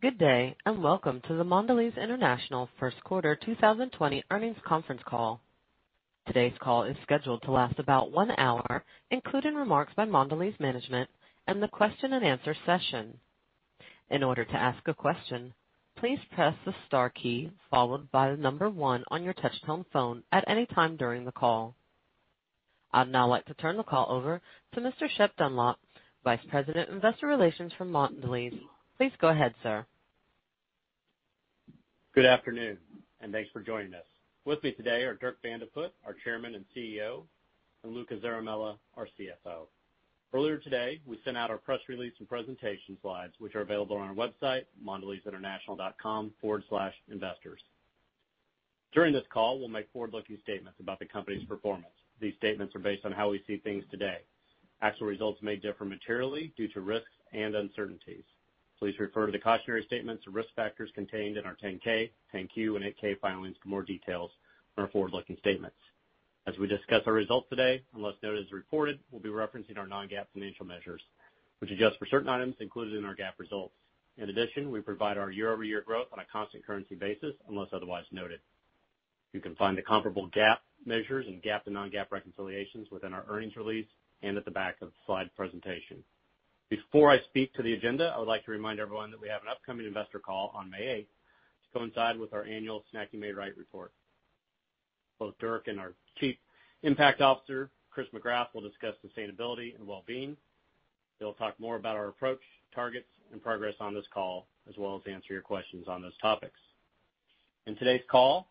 Good day, and welcome to the Mondelez International first quarter 2020 earnings conference call. Today's call is scheduled to last about one hour, including remarks by Mondelez management and the question and answer session. In order to ask a question, please press the star key followed by the number one on your touchtone phone at any time during the call. I'd now like to turn the call over to Mr. Shep Dunlap, Vice President, Investor Relations for Mondelez. Please go ahead, sir. Good afternoon, and thanks for joining us. With me today are Dirk Van de Put, our Chairman and CEO, and Luca Zaramella, our CFO. Earlier today, we sent out our press release and presentation slides, which are available on our website, mondelezinternational.com/investors. During this call, we'll make forward-looking statements about the company's performance. These statements are based on how we see things today. Actual results may differ materially due to risks and uncertainties. Please refer to the cautionary statements and risk factors contained in our 10-K, 10-Q, and 8-K filings for more details on our forward-looking statements. As we discuss our results today, unless noted as reported, we'll be referencing our non-GAAP financial measures, which adjust for certain items included in our GAAP results. In addition, we provide our year-over-year growth on a constant currency basis unless otherwise noted. You can find the comparable GAAP measures and non-GAAP reconciliations within our earnings release and at the back of the slide presentation. Before I speak to the agenda, I would like to remind everyone that we have an upcoming investor call on May 8th to coincide with our annual Snacking Made Right report. Both Dirk and our Chief Impact Officer, Chris McGrath, will discuss sustainability and well-being. They'll talk more about our approach, targets, and progress on this call, as well as answer your questions on those topics. In today's call,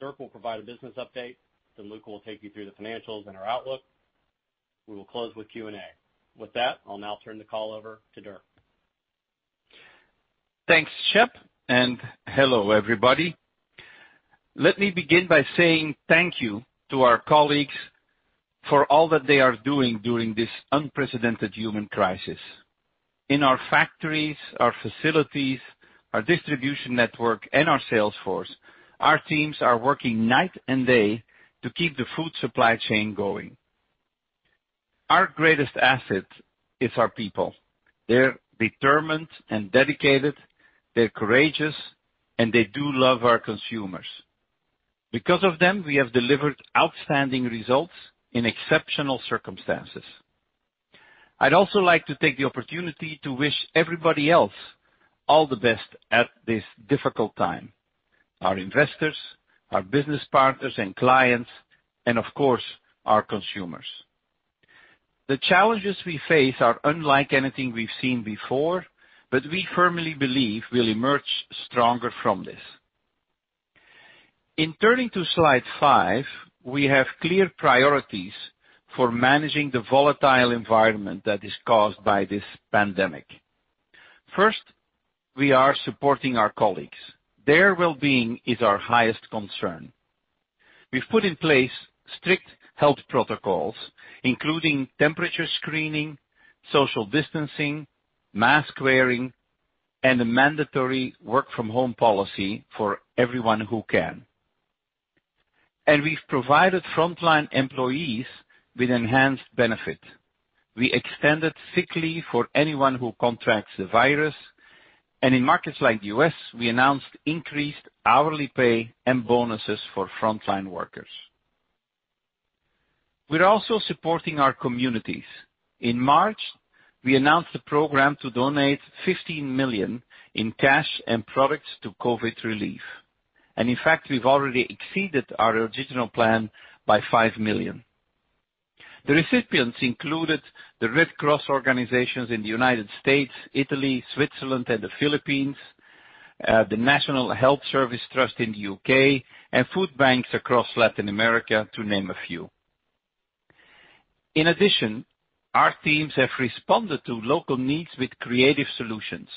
Dirk will provide a business update. Luca will take you through the financials and our outlook. We will close with Q&A. With that, I'll now turn the call over to Dirk. Thanks, Shep. Hello, everybody. Let me begin by saying thank you to our colleagues for all that they are doing during this unprecedented human crisis. In our factories, our facilities, our distribution network, and our sales force, our teams are working night and day to keep the food supply chain going. Our greatest asset is our people. They're determined and dedicated, they're courageous, and they do love our consumers. Because of them, we have delivered outstanding results in exceptional circumstances. I'd also like to take the opportunity to wish everybody else all the best at this difficult time, our investors, our business partners and clients, and of course, our consumers. The challenges we face are unlike anything we've seen before, but we firmly believe we'll emerge stronger from this. In turning to slide five, we have clear priorities for managing the volatile environment that is caused by this pandemic. First, we are supporting our colleagues. Their well-being is our highest concern. We've put in place strict health protocols, including temperature screening, social distancing, mask wearing, and a mandatory work from home policy for everyone who can. We've provided frontline employees with enhanced benefit. We extended sick leave for anyone who contracts the virus, and in markets like the U.S., we announced increased hourly pay and bonuses for frontline workers. We're also supporting our communities. In March, we announced a program to donate $15 million in cash and products to COVID-19 relief. In fact, we've already exceeded our original plan by $5 million. The recipients included the Red Cross organizations in the United States, Italy, Switzerland, and the Philippines, the National Health Service Trust in the U.K., and food banks across Latin America, to name a few. In addition, our teams have responded to local needs with creative solutions.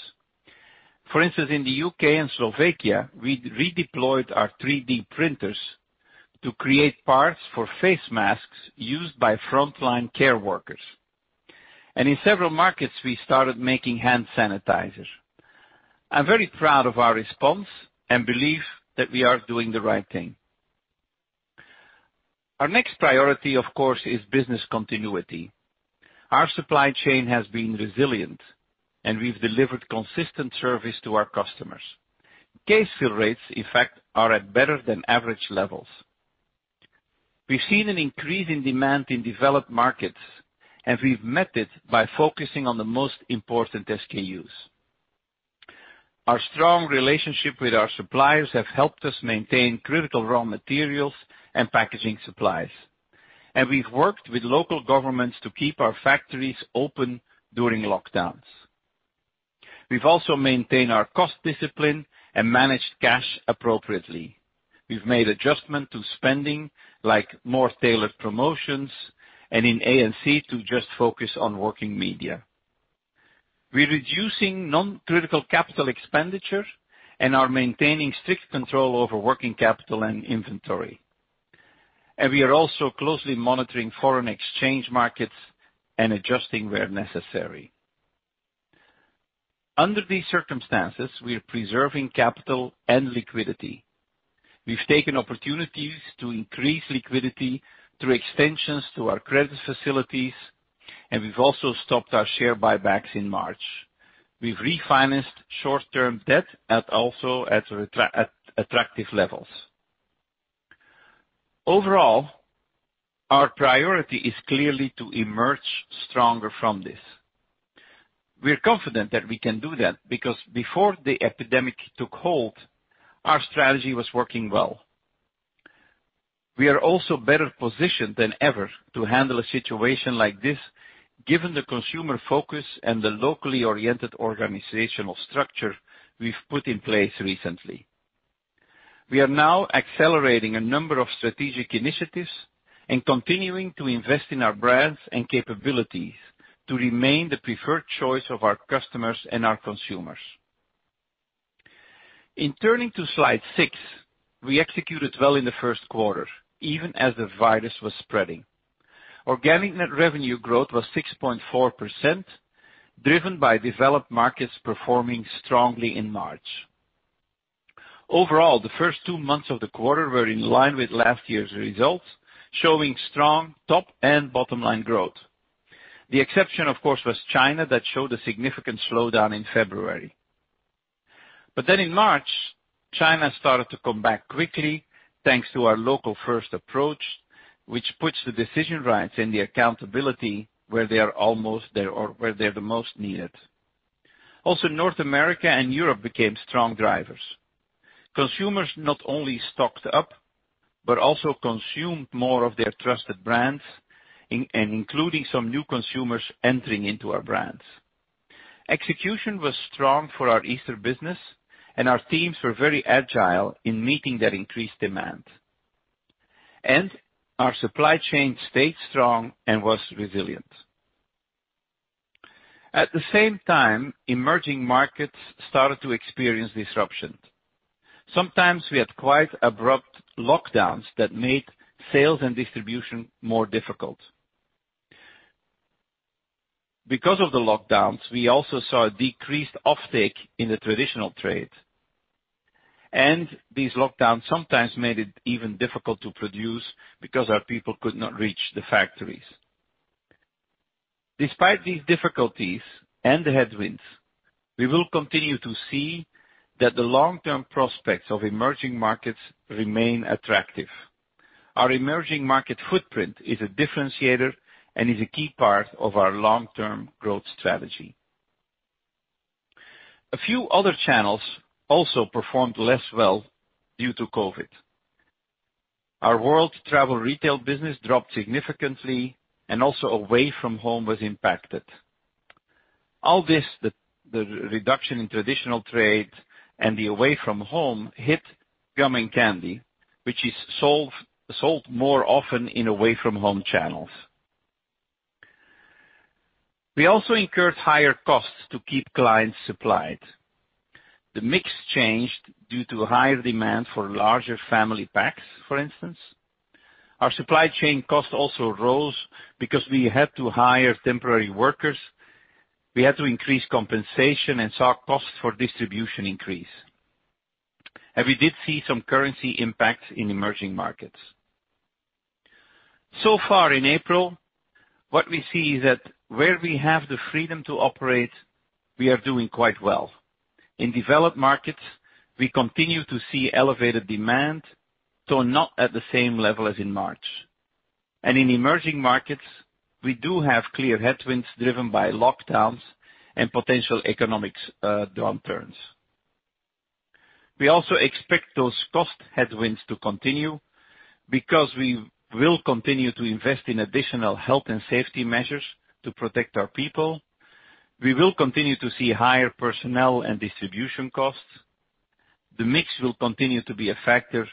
For instance, in the U.K. and Slovakia, we redeployed our 3D printers to create parts for face masks used by frontline care workers. In several markets, we started making hand sanitizers. I'm very proud of our response and believe that we are doing the right thing. Our next priority, of course, is business continuity. Our supply chain has been resilient, and we've delivered consistent service to our customers. Case fill rates, in fact, are at better than average levels. We've seen an increase in demand in developed markets, and we've met it by focusing on the most important SKUs. Our strong relationship with our suppliers have helped us maintain critical raw materials and packaging supplies, and we've worked with local governments to keep our factories open during lockdowns. We've also maintained our cost discipline and managed cash appropriately. We've made adjustment to spending, like more tailored promotions and in A&C to just focus on working media. We're reducing non-critical capital expenditure and are maintaining strict control over working capital and inventory. We are also closely monitoring foreign exchange markets and adjusting where necessary. Under these circumstances, we are preserving capital and liquidity. We've taken opportunities to increase liquidity through extensions to our credit facilities, and we've also stopped our share buybacks in March. We've refinanced short-term debt at attractive levels. Overall, our priority is clearly to emerge stronger from this. We are confident that we can do that, because before the epidemic took hold, our strategy was working well. We are also better positioned than ever to handle a situation like this, given the consumer focus and the locally oriented organizational structure we've put in place recently. We are now accelerating a number of strategic initiatives and continuing to invest in our brands and capabilities to remain the preferred choice of our customers and our consumers. In turning to slide six, we executed well in the first quarter, even as the virus was spreading. Organic net revenue growth was 6.4%, driven by developed markets performing strongly in March. Overall, the first two months of the quarter were in line with last year's results, showing strong top and bottom-line growth. The exception, of course, was China that showed a significant slowdown in February. In March, China started to come back quickly thanks to our local first approach, which puts the decision rights and the accountability where they're the most needed. Also, North America and Europe became strong drivers. Consumers not only stocked up, but also consumed more of their trusted brands, and including some new consumers entering into our brands. Execution was strong for our Easter business, and our teams were very agile in meeting that increased demand. Our supply chain stayed strong and was resilient. At the same time, emerging markets started to experience disruptions. Sometimes we had quite abrupt lockdowns that made sales and distribution more difficult. Because of the lockdowns, we also saw a decreased offtake in the traditional trade. These lockdowns sometimes made it even difficult to produce because our people could not reach the factories. Despite these difficulties and the headwinds, we will continue to see that the long-term prospects of emerging markets remain attractive. Our emerging market footprint is a differentiator and is a key part of our long-term growth strategy. A few other channels also performed less well due to COVID. Our world travel retail business dropped significantly and also away from home was impacted. All this, the reduction in traditional trade and the away from home hit gum and candy, which is sold more often in away from home channels. We also incurred higher costs to keep clients supplied. The mix changed due to higher demand for larger family packs, for instance. Our supply chain cost also rose because we had to hire temporary workers. We had to increase compensation and saw costs for distribution increase. We did see some currency impacts in emerging markets. Far in April, what we see is that where we have the freedom to operate, we are doing quite well. In developed markets, we continue to see elevated demand, though not at the same level as in March. In emerging markets, we do have clear headwinds driven by lockdowns and potential economic downturns. We also expect those cost headwinds to continue because we will continue to invest in additional health and safety measures to protect our people. We will continue to see higher personnel and distribution costs. The mix will continue to be a factor,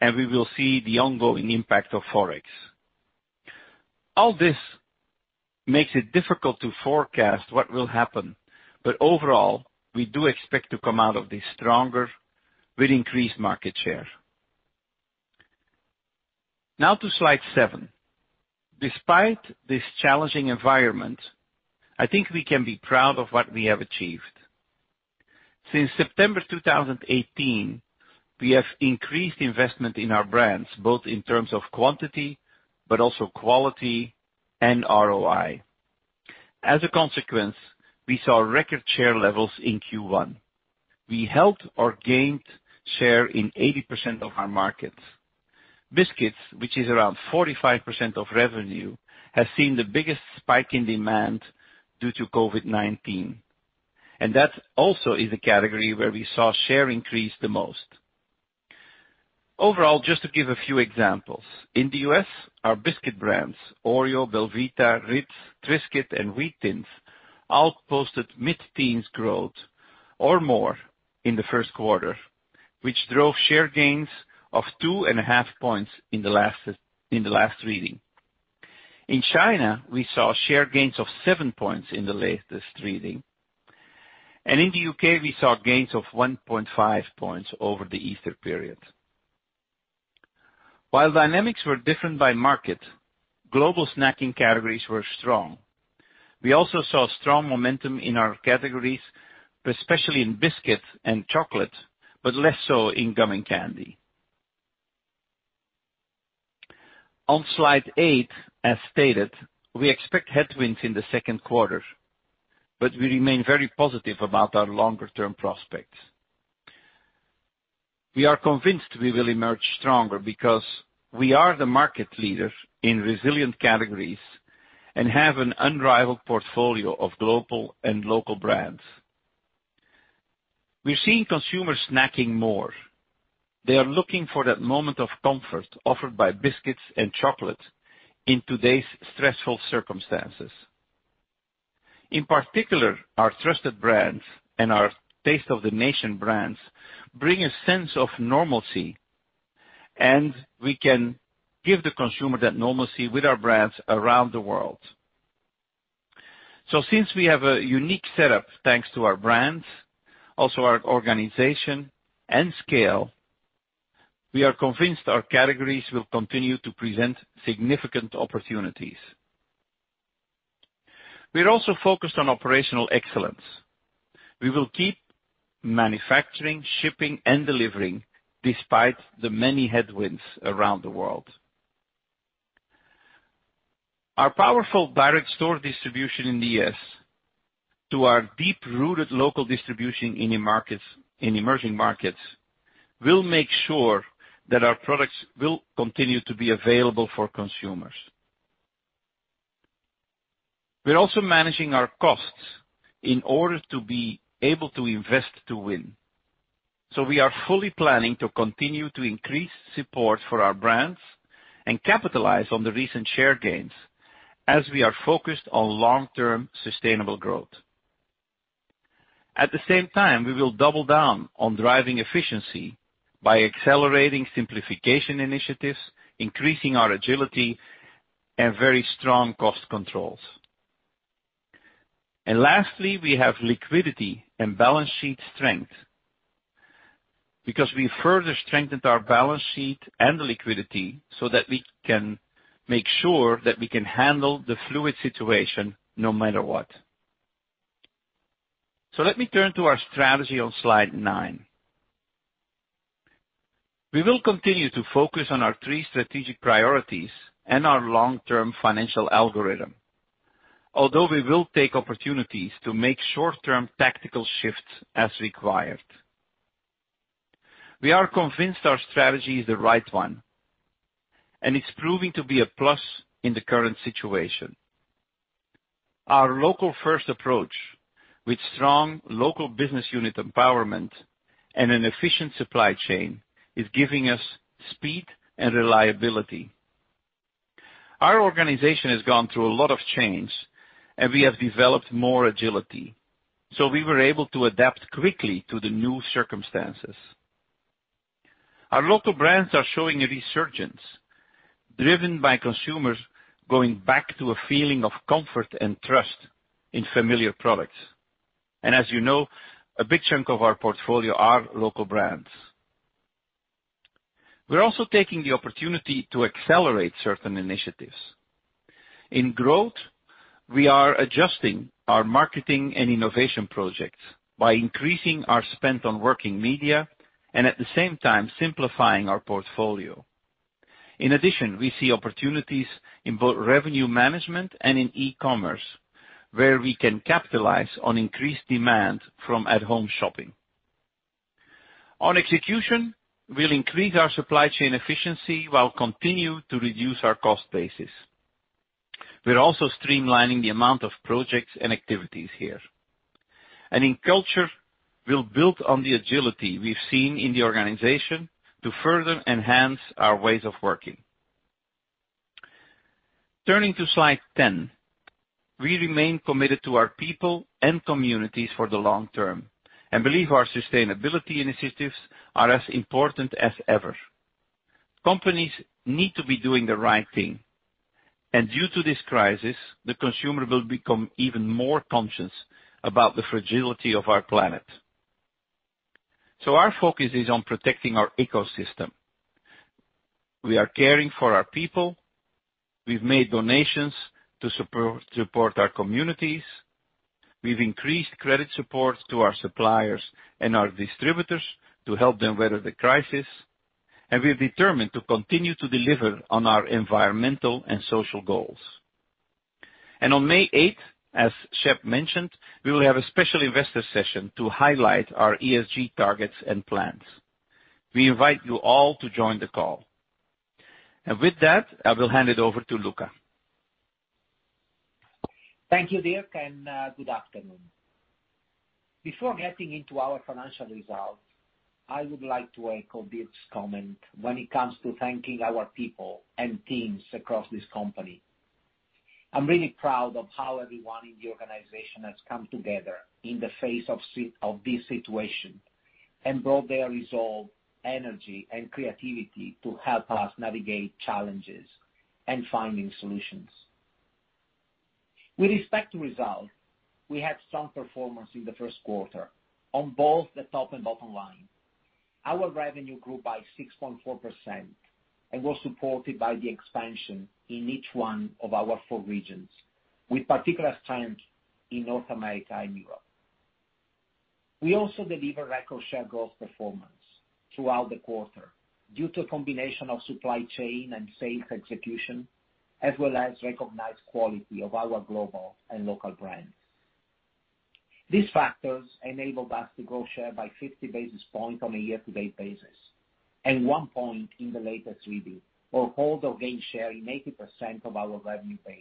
and we will see the ongoing impact of Forex. All this makes it difficult to forecast what will happen. Overall, we do expect to come out of this stronger with increased market share. To slide seven. Despite this challenging environment, I think we can be proud of what we have achieved. Since September 2018, we have increased investment in our brands, both in terms of quantity, but also quality and ROI. As a consequence, we saw record share levels in Q1. We held or gained share in 80% of our markets. Biscuits, which is around 45% of revenue, has seen the biggest spike in demand due to COVID-19. That also is a category where we saw share increase the most. Overall, just to give a few examples. In the U.S., our biscuit brands, OREO, belVita, Ritz, Triscuit, and Wheat Thins, outpaced mid-teens growth or more in the first quarter, which drove share gains of 2.5 points in the last reading. In China, we saw share gains of seven points in the latest reading. In the U.K., we saw gains of 1.5 points over the Easter period. While dynamics were different by market, global snacking categories were strong. We also saw strong momentum in our categories, especially in biscuit and chocolate, but less so in gum and candy. On slide eight, as stated, we expect headwinds in the second quarter. We remain very positive about our longer-term prospects. We are convinced we will emerge stronger because we are the market leader in resilient categories and have an unrivaled portfolio of global and local brands. We're seeing consumers snacking more. They are looking for that moment of comfort offered by biscuits and chocolate in today's stressful circumstances. In particular, our trusted brands and our Taste of the Nation brands bring a sense of normalcy. We can give the consumer that normalcy with our brands around the world. Since we have a unique setup, thanks to our brands, also our organization and scale, we are convinced our categories will continue to present significant opportunities. We're also focused on operational excellence. We will keep manufacturing, shipping, and delivering despite the many headwinds around the world. Our powerful direct store distribution in the U.S., to our deep-rooted local distribution in emerging markets will make sure that our products will continue to be available for consumers. We are fully planning to continue to increase support for our brands and capitalize on the recent share gains as we are focused on long-term sustainable growth. At the same time, we will double down on driving efficiency by accelerating simplification initiatives, increasing our agility, and very strong cost controls. Lastly, we have liquidity and balance sheet strength, because we further strengthened our balance sheet and liquidity so that we can make sure that we can handle the fluid situation no matter what. Let me turn to our strategy on slide nine. We will continue to focus on our three strategic priorities and our long-term financial algorithm. Although we will take opportunities to make short-term tactical shifts as required. We are convinced our strategy is the right one, and it's proving to be a plus in the current situation. Our local first approach with strong local business unit empowerment and an efficient supply chain is giving us speed and reliability. Our organization has gone through a lot of change, and we have developed more agility. We were able to adapt quickly to the new circumstances. Our local brands are showing a resurgence driven by consumers going back to a feeling of comfort and trust in familiar products. As you know, a big chunk of our portfolio are local brands. We're also taking the opportunity to accelerate certain initiatives. In growth, we are adjusting our marketing and innovation projects by increasing our spend on working media and at the same time simplifying our portfolio. In addition, we see opportunities in both revenue management and in e-commerce where we can capitalize on increased demand from at-home shopping. On execution, we'll increase our supply chain efficiency while continue to reduce our cost basis. We're also streamlining the amount of projects and activities here. In culture, we'll build on the agility we've seen in the organization to further enhance our ways of working. Turning to slide 10. We remain committed to our people and communities for the long term and believe our sustainability initiatives are as important as ever. Companies need to be doing the right thing, and due to this crisis, the consumer will become even more conscious about the fragility of our planet. Our focus is on protecting our ecosystem. We are caring for our people. We've made donations to support our communities. We've increased credit support to our suppliers and our distributors to help them weather the crisis, and we are determined to continue to deliver on our environmental and social goals. On May 8th, as Shep mentioned, we will have a special investor session to highlight our ESG targets and plans. We invite you all to join the call. With that, I will hand it over to Luca. Thank you, Dirk, and good afternoon. Before getting into our financial results, I would like to echo Dirk's comment when it comes to thanking our people and teams across this company. I'm really proud of how everyone in the organization has come together in the face of this situation and brought their resolve, energy, and creativity to help us navigate challenges and finding solutions. With respect to results, we had strong performance in the first quarter on both the top and bottom line. Our revenue grew by 6.4% and was supported by the expansion in each one of our four regions, with particular strength in North America and Europe. We also delivered record share growth performance throughout the quarter due to a combination of supply chain and sales execution, as well as recognized quality of our global and local brands. These factors enabled us to grow share by 50 basis points on a year-to-date basis, and one point in the latest reading, or hold or gain share in 80% of our revenue base.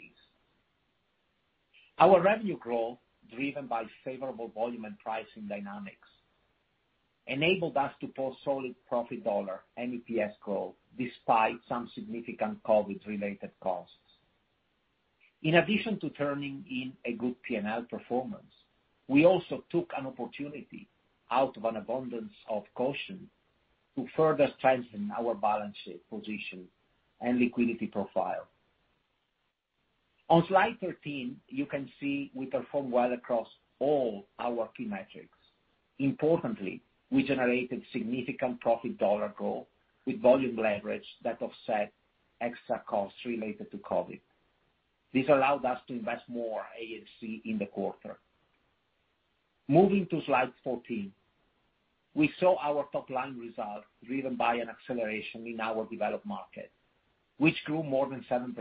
Our revenue growth, driven by favorable volume and pricing dynamics, enabled us to post solid profit dollar and EPS growth despite some significant COVID-19-related costs. In addition to turning in a good P&L performance, we also took an opportunity, out of an abundance of caution, to further strengthen our balance sheet position and liquidity profile. On slide 13, you can see we performed well across all our key metrics. Importantly, we generated significant profit dollar growth with volume leverage that offset extra costs related to COVID-19. This allowed us to invest more in A&C in the quarter. Moving to slide 14, we saw our top-line results driven by an acceleration in our developed markets, which grew more than 7%.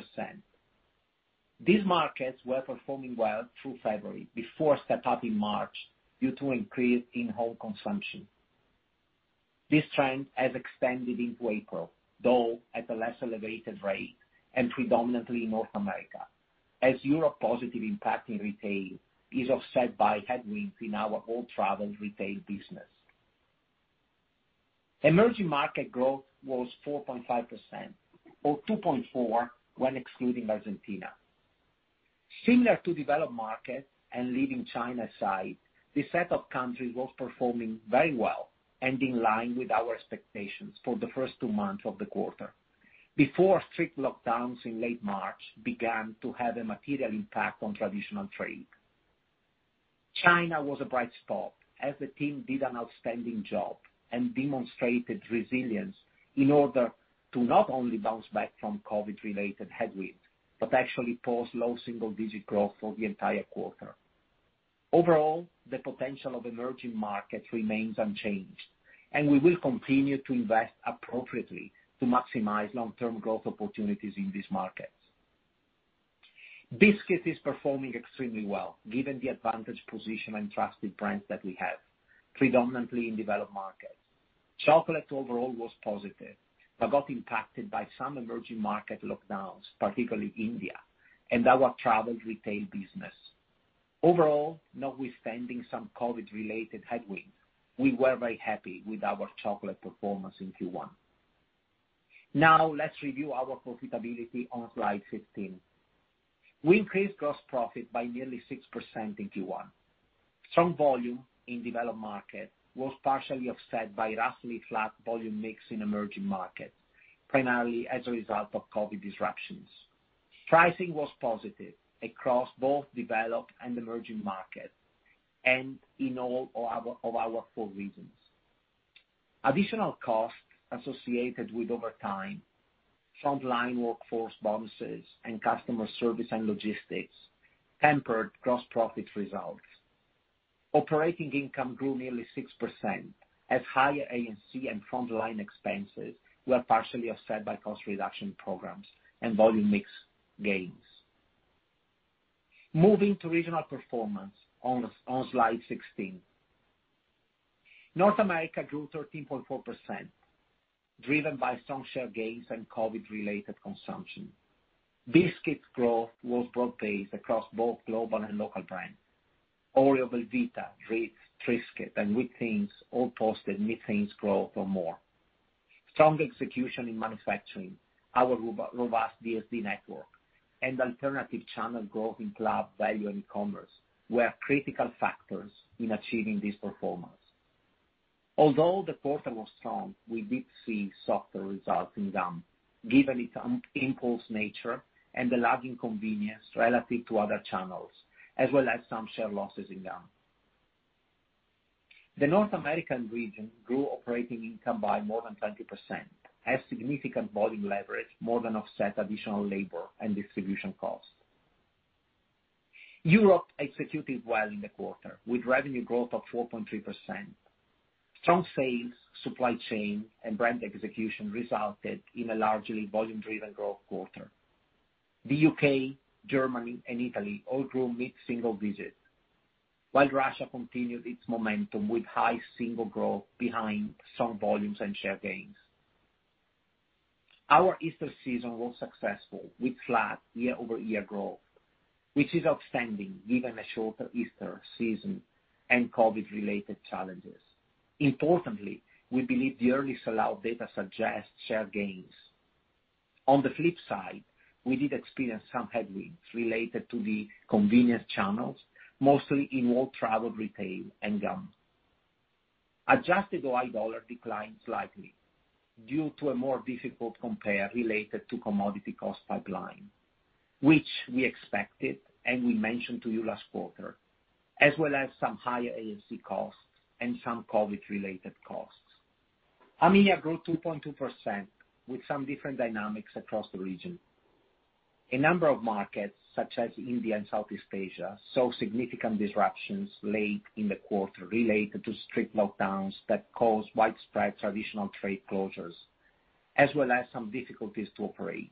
These markets were performing well through February before stepping up in March due to increase in home consumption. This trend has extended into April, though at a less elevated rate, and predominantly in North America, as Europe positive impact in retail is offset by headwinds in our world travel retail business. Emerging market growth was 4.5%, or 2.4% when excluding Argentina. Similar to developed markets and leaving China aside, this set of countries was performing very well and in line with our expectations for the first two months of the quarter, before strict lockdowns in late March began to have a material impact on traditional trade. China was a bright spot, as the team did an outstanding job and demonstrated resilience in order to not only bounce back from COVID-19-related headwinds, but actually post low single-digit growth for the entire quarter. Overall, the potential of emerging markets remains unchanged, and we will continue to invest appropriately to maximize long-term growth opportunities in these markets. Biscuits is performing extremely well given the advantage, position, and trusted brands that we have, predominantly in developed markets. Chocolate overall was positive, but got impacted by some emerging market lockdowns, particularly India, and our travel retail business. Overall, notwithstanding some COVID-19-related headwinds, we were very happy with our chocolate performance in Q1. Now let's review our profitability on slide 15. We increased gross profit by nearly 6% in Q1. Strong volume in developed markets was partially offset by roughly flat volume mix in emerging markets, primarily as a result of COVID disruptions. Pricing was positive across both developed and emerging markets, and in all of our four regions. Additional costs associated with overtime, frontline workforce bonuses, and customer service and logistics tempered gross profit results. Operating income grew nearly 6% as higher A&C and frontline expenses were partially offset by cost reduction programs and volume mix gains. Moving to regional performance on slide 16. North America grew 13.4%, driven by strong share gains and COVID-related consumption. Biscuits growth was broad-based across both global and local brands. OREO, belVita, Ritz, Triscuits, and Wheat Thins all posted mid-teens growth or more. Strong execution in manufacturing, our robust DSD network, and alternative channel growth in club, value, and e-commerce were critical factors in achieving this performance. Although the quarter was strong, we did see softer results in gum given its impulse nature and the lagging convenience relative to other channels, as well as some share losses in gum. The North American region grew operating income by more than 20%, as significant volume leverage more than offset additional labor and distribution costs. Europe executed well in the quarter, with revenue growth of 4.3%. Strong sales, supply chain, and brand execution resulted in a largely volume-driven growth quarter. The U.K., Germany, and Italy all grew mid-single digits, while Russia continued its momentum with high single growth behind strong volumes and share gains. Our Easter season was successful with flat year-over-year growth, which is outstanding given a shorter Easter season and COVID-19-related challenges. Importantly, we believe the early sellout data suggests share gains. On the flip side, we did experience some headwinds related to the convenience channels, mostly in world travel retail and gum. Adjusted OI dollar declined slightly due to a more difficult compare related to commodity cost pipeline, which we expected and we mentioned to you last quarter, as well as some higher A&C costs and some COVID related costs. AMEA grew 2.2% with some different dynamics across the region. A number of markets, such as India and Southeast Asia, saw significant disruptions late in the quarter related to strict lockdowns that caused widespread traditional trade closures, as well as some difficulties to operate.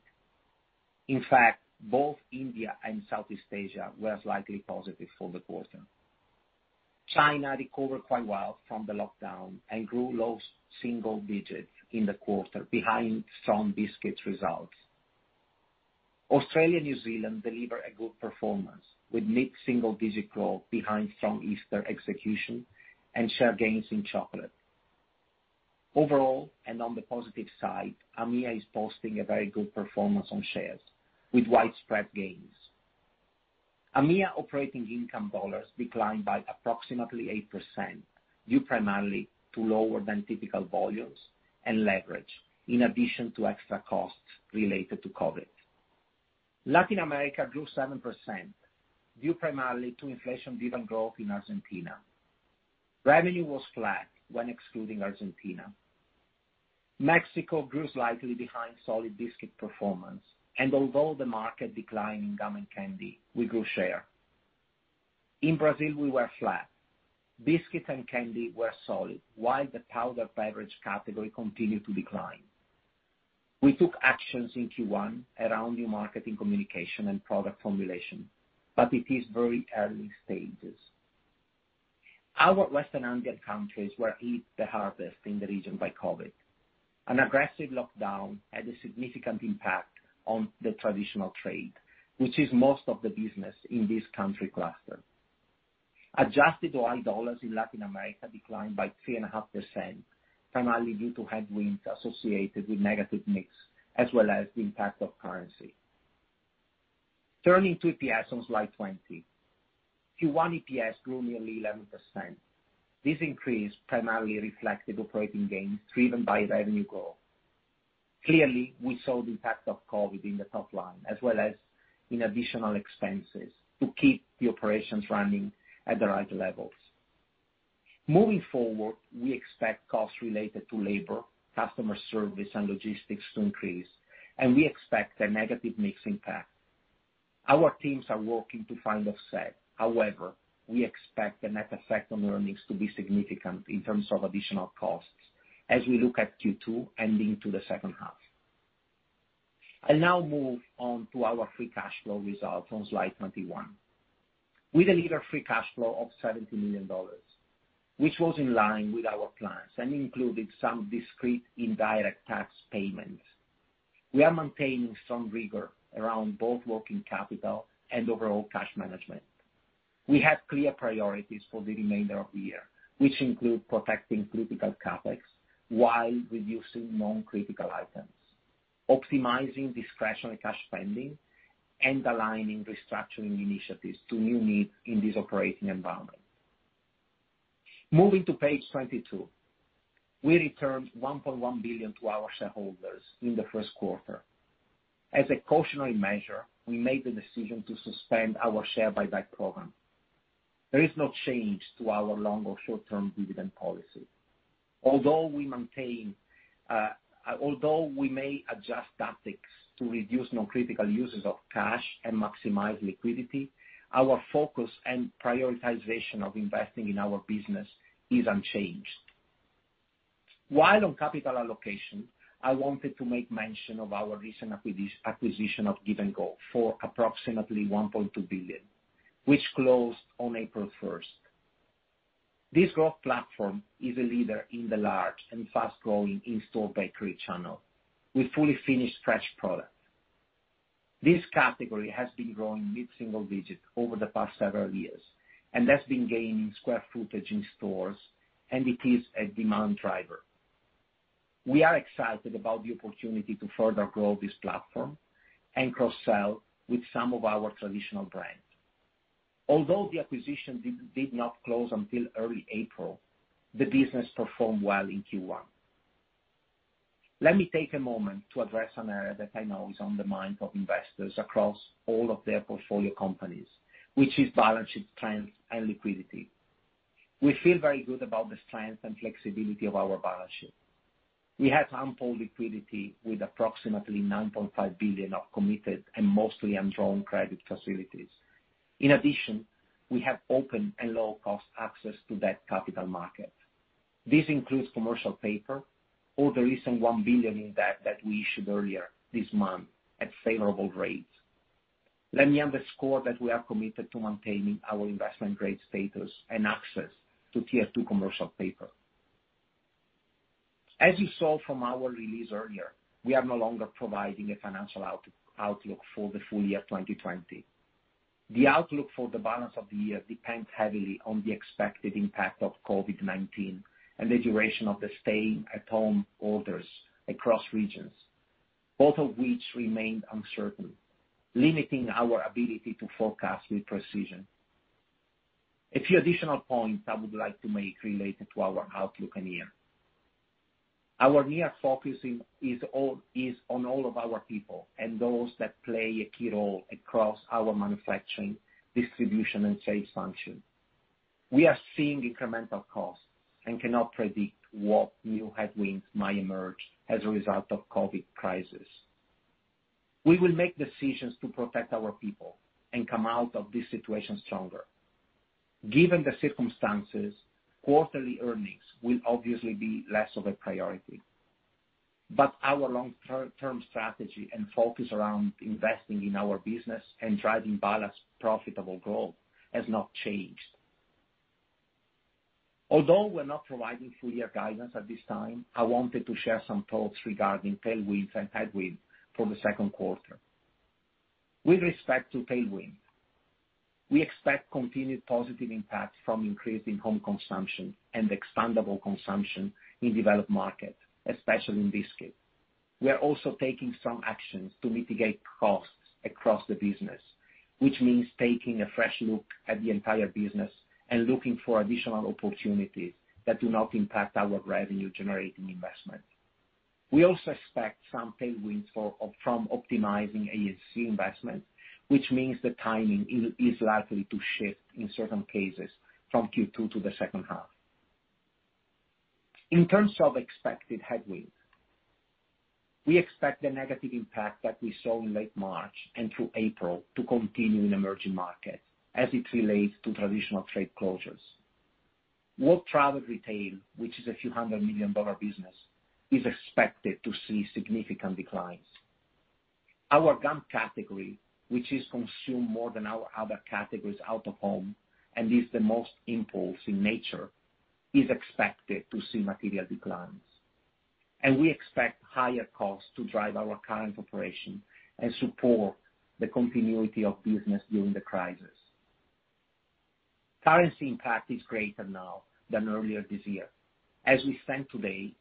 In fact, both India and Southeast Asia were slightly positive for the quarter. China recovered quite well from the lockdown and grew low single digits in the quarter behind strong biscuits results. Australia and New Zealand delivered a good performance with mid-single-digit growth behind strong Easter execution and share gains in chocolate. Overall, and on the positive side, AMEA is posting a very good performance on shares with widespread gains. AMEA operating income dollars declined by approximately 8%, due primarily to lower than typical volumes and leverage, in addition to extra costs related to COVID. Latin America grew 7%, due primarily to inflation-driven growth in Argentina. Revenue was flat when excluding Argentina. Mexico grew slightly behind solid biscuit performance, and although the market declined in gum and candy, we grew share. In Brazil, we were flat. Biscuits and candy were solid while the powder beverage category continued to decline. We took actions in Q1 around new marketing communication and product formulation, but it is very early stages. Our Western Andean countries were hit the hardest in the region by COVID An aggressive lockdown had a significant impact on the traditional trade, which is most of the business in this country cluster. Adjusted OI USD in Latin America declined by 3.5%, primarily due to headwinds associated with negative mix, as well as the impact of currency. Turning to EPS on slide 20. Q1 EPS grew nearly 11%. This increase primarily reflected operating gains driven by revenue growth. Clearly, we saw the impact of COVID in the top line as well as in additional expenses to keep the operations running at the right levels. Moving forward, we expect costs related to labor, customer service, and logistics to increase, and we expect a negative mix impact. Our teams are working to find offset. However, we expect the net effect on earnings to be significant in terms of additional costs as we look at Q2 and into the second half. I now move on to our free cash flow results on slide 21. We delivered free cash flow of $70 million, which was in line with our plans and included some discrete indirect tax payments. We are maintaining some rigor around both working capital and overall cash management. We have clear priorities for the remainder of the year, which include protecting critical CapEx while reducing non-critical items, optimizing discretionary cash spending, and aligning restructuring initiatives to new needs in this operating environment. Moving to page 22. We returned $1.1 billion to our shareholders in the first quarter. As a cautionary measure, we made the decision to suspend our share buyback program. There is no change to our long or short-term dividend policy. Although we may adjust tactics to reduce non-critical uses of cash and maximize liquidity, our focus and prioritization of investing in our business is unchanged. While on capital allocation, I wanted to make mention of our recent acquisition of Give & Go for approximately $1.2 billion, which closed on April 1st. This growth platform is a leader in the large and fast-growing in-store bakery channel with fully finished fresh products. This category has been growing mid-single digits over the past several years and has been gaining square footage in stores, and it is a demand driver. We are excited about the opportunity to further grow this platform and cross-sell with some of our traditional brands. Although the acquisition did not close until early April, the business performed well in Q1. Let me take a moment to address an area that I know is on the mind of investors across all of their portfolio companies, which is balance sheet trends and liquidity. We feel very good about the strength and flexibility of our balance sheet. We have ample liquidity with approximately $9.5 billion of committed and mostly undrawn credit facilities. In addition, we have open and low-cost access to that capital market. This includes commercial paper or the recent $1 billion in debt that we issued earlier this month at favorable rates. Let me underscore that we are committed to maintaining our investment grade status and access to Tier 2 commercial paper. As you saw from our release earlier, we are no longer providing a financial outlook for the full year 2020. The outlook for the balance of the year depends heavily on the expected impact of COVID-19 and the duration of the stay-at-home orders across regions. Both of which remained uncertain, limiting our ability to forecast with precision. A few additional points I would like to make related to our outlook and near. Our near focusing is on all of our people and those that play a key role across our manufacturing, distribution, and sales function. We are seeing incremental costs and cannot predict what new headwinds might emerge as a result of COVID-19 crisis. We will make decisions to protect our people and come out of this situation stronger. Given the circumstances, quarterly earnings will obviously be less of a priority. Our long-term strategy and focus around investing in our business and driving balanced, profitable growth has not changed. Although we're not providing full-year guidance at this time, I wanted to share some thoughts regarding tailwinds and headwinds for the second quarter. With respect to tailwind, we expect continued positive impact from increasing home consumption and expandable consumption in developed markets, especially in biscuits. We are also taking some actions to mitigate costs across the business, which means taking a fresh look at the entire business and looking for additional opportunities that do not impact our revenue-generating investment. We also expect some tailwinds from optimizing A&C investment, which means the timing is likely to shift in certain cases from Q2 to the second half. In terms of expected headwinds, we expect the negative impact that we saw in late March and through April to continue in emerging markets as it relates to traditional trade closures. World travel retail, which is a few hundred million dollar business, is expected to see significant declines. Our gum category, which is consumed more than our other categories out of home and is the most impulse in nature, is expected to see material declines. We expect higher costs to drive our current operation and support the continuity of business during the crisis. Currency impact is greater now than earlier this year. As we stand today,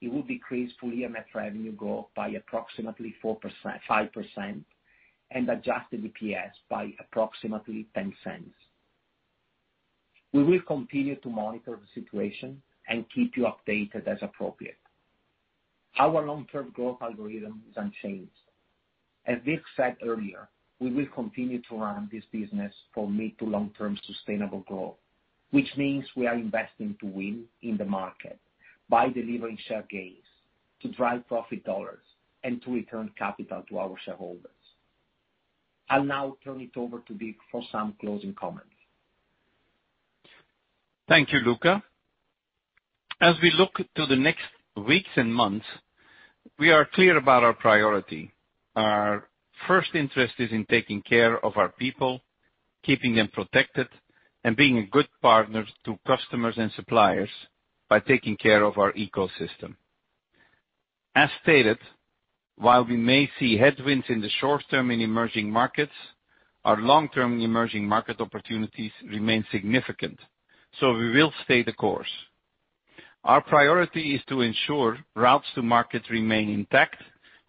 it will decrease full year net revenue growth by approximately 5% and adjusted EPS by approximately $0.10. We will continue to monitor the situation and keep you updated as appropriate. Our long-term growth algorithm is unchanged. As Dirk said earlier, we will continue to run this business for mid-to-long-term sustainable growth, which means we are investing to win in the market by delivering share gains, to drive profit dollars, and to return capital to our shareholders. I'll now turn it over to Dirk for some closing comments. Thank you, Luca. As we look to the next weeks and months, we are clear about our priority. Our first interest is in taking care of our people, keeping them protected, and being a good partner to customers and suppliers by taking care of our ecosystem. As stated, while we may see headwinds in the short term in emerging markets, our long-term emerging market opportunities remain significant. We will stay the course. Our priority is to ensure routes to market remain intact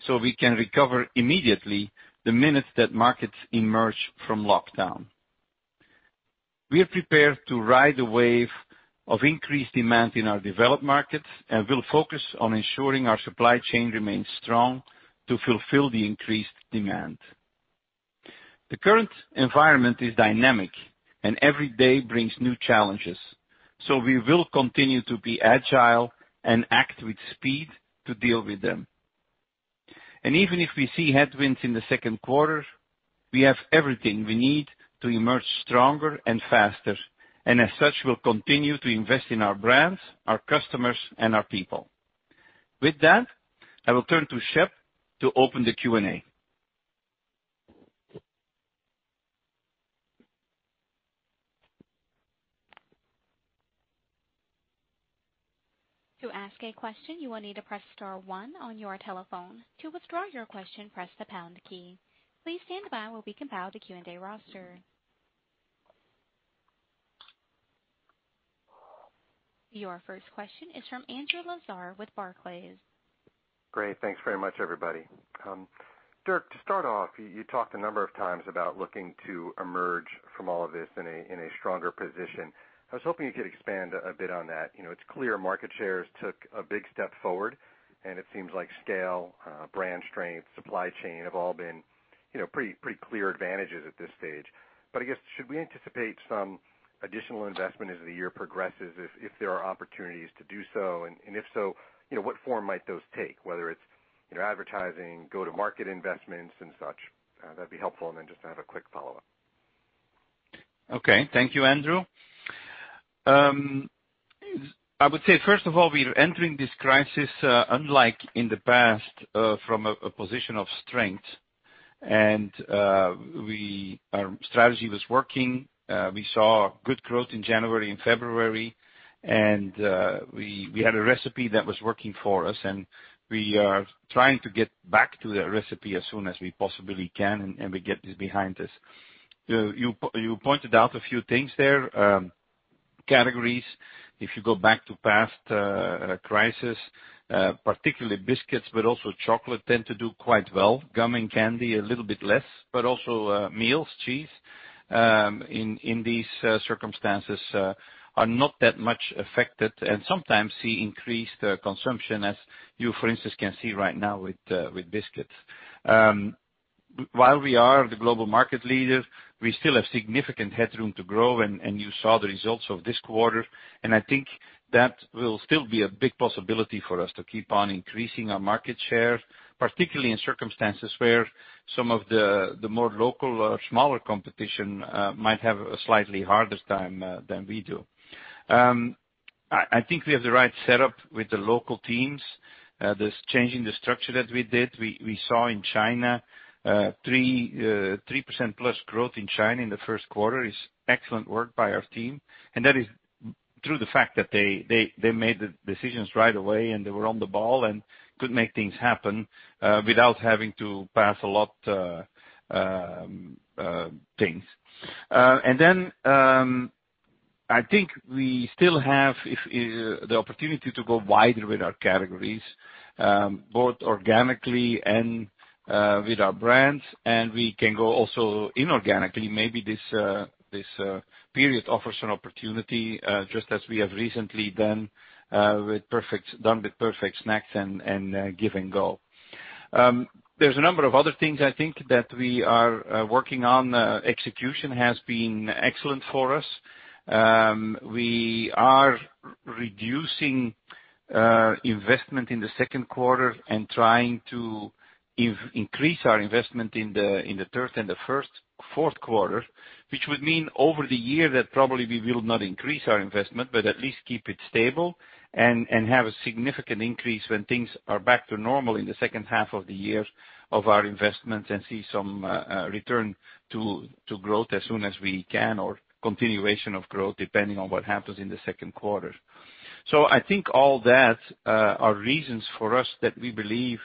so we can recover immediately the minute that markets emerge from lockdown. We are prepared to ride the wave of increased demand in our developed markets and will focus on ensuring our supply chain remains strong to fulfill the increased demand. The current environment is dynamic and every day brings new challenges. We will continue to be agile and act with speed to deal with them. Even if we see headwinds in the second quarter, we have everything we need to emerge stronger and faster, and as such, we'll continue to invest in our brands, our customers, and our people. With that, I will turn to Shep to open the Q&A. To ask a question, you will need to press star one on your telephone. To withdraw your question, press the pound key. Please stand by while we compile the Q&A roster. Your first question is from Andrew Lazar with Barclays. Great. Thanks very much, everybody. Dirk, to start off, you talked a number of times about looking to emerge from all of this in a stronger position. I was hoping you could expand a bit on that. It's clear market shares took a big step forward, and it seems like scale, brand strength, supply chain have all been pretty clear advantages at this stage. I guess, should we anticipate some additional investment as the year progresses if there are opportunities to do so? If so, what form might those take? Whether it's advertising, go-to-market investments, and such. That'd be helpful. Then just have a quick follow-up. Okay. Thank you, Andrew. I would say, first of all, we are entering this crisis, unlike in the past, from a position of strength. Our strategy was working. We saw good growth in January and February, and we had a recipe that was working for us, and we are trying to get back to that recipe as soon as we possibly can, and we get this behind us. You pointed out a few things there categories. If you go back to past crisis, particularly biscuits, but also chocolate tend to do quite well. Gum and candy, a little bit less, but also meals, cheese in these circumstances are not that much affected, and sometimes see increased consumption as you, for instance, can see right now with biscuits. While we are the global market leader, we still have significant headroom to grow, and you saw the results of this quarter. I think that will still be a big possibility for us to keep on increasing our market share, particularly in circumstances where some of the more local or smaller competition might have a slightly harder time than we do. I think we have the right setup with the local teams, this changing the structure that we did, we saw in China, 3% plus growth in China in the first quarter is excellent work by our team. That is through the fact that they made the decisions right away, and they were on the ball and could make things happen, without having to pass a lot things. Then, I think we still have the opportunity to go wider with our categories, both organically and with our brands. We can go also inorganically. Maybe this period offers an opportunity, just as we have recently done with Perfect Snacks and Give & Go. There's a number of other things I think that we are working on. Execution has been excellent for us. We are reducing investment in the second quarter and trying to increase our investment in the third and the fourth quarter, which would mean over the year that probably we will not increase our investment, but at least keep it stable and have a significant increase when things are back to normal in the second half of the year of our investments and see some return to growth as soon as we can, or continuation of growth, depending on what happens in the second quarter. I think all that are reasons for us that we believe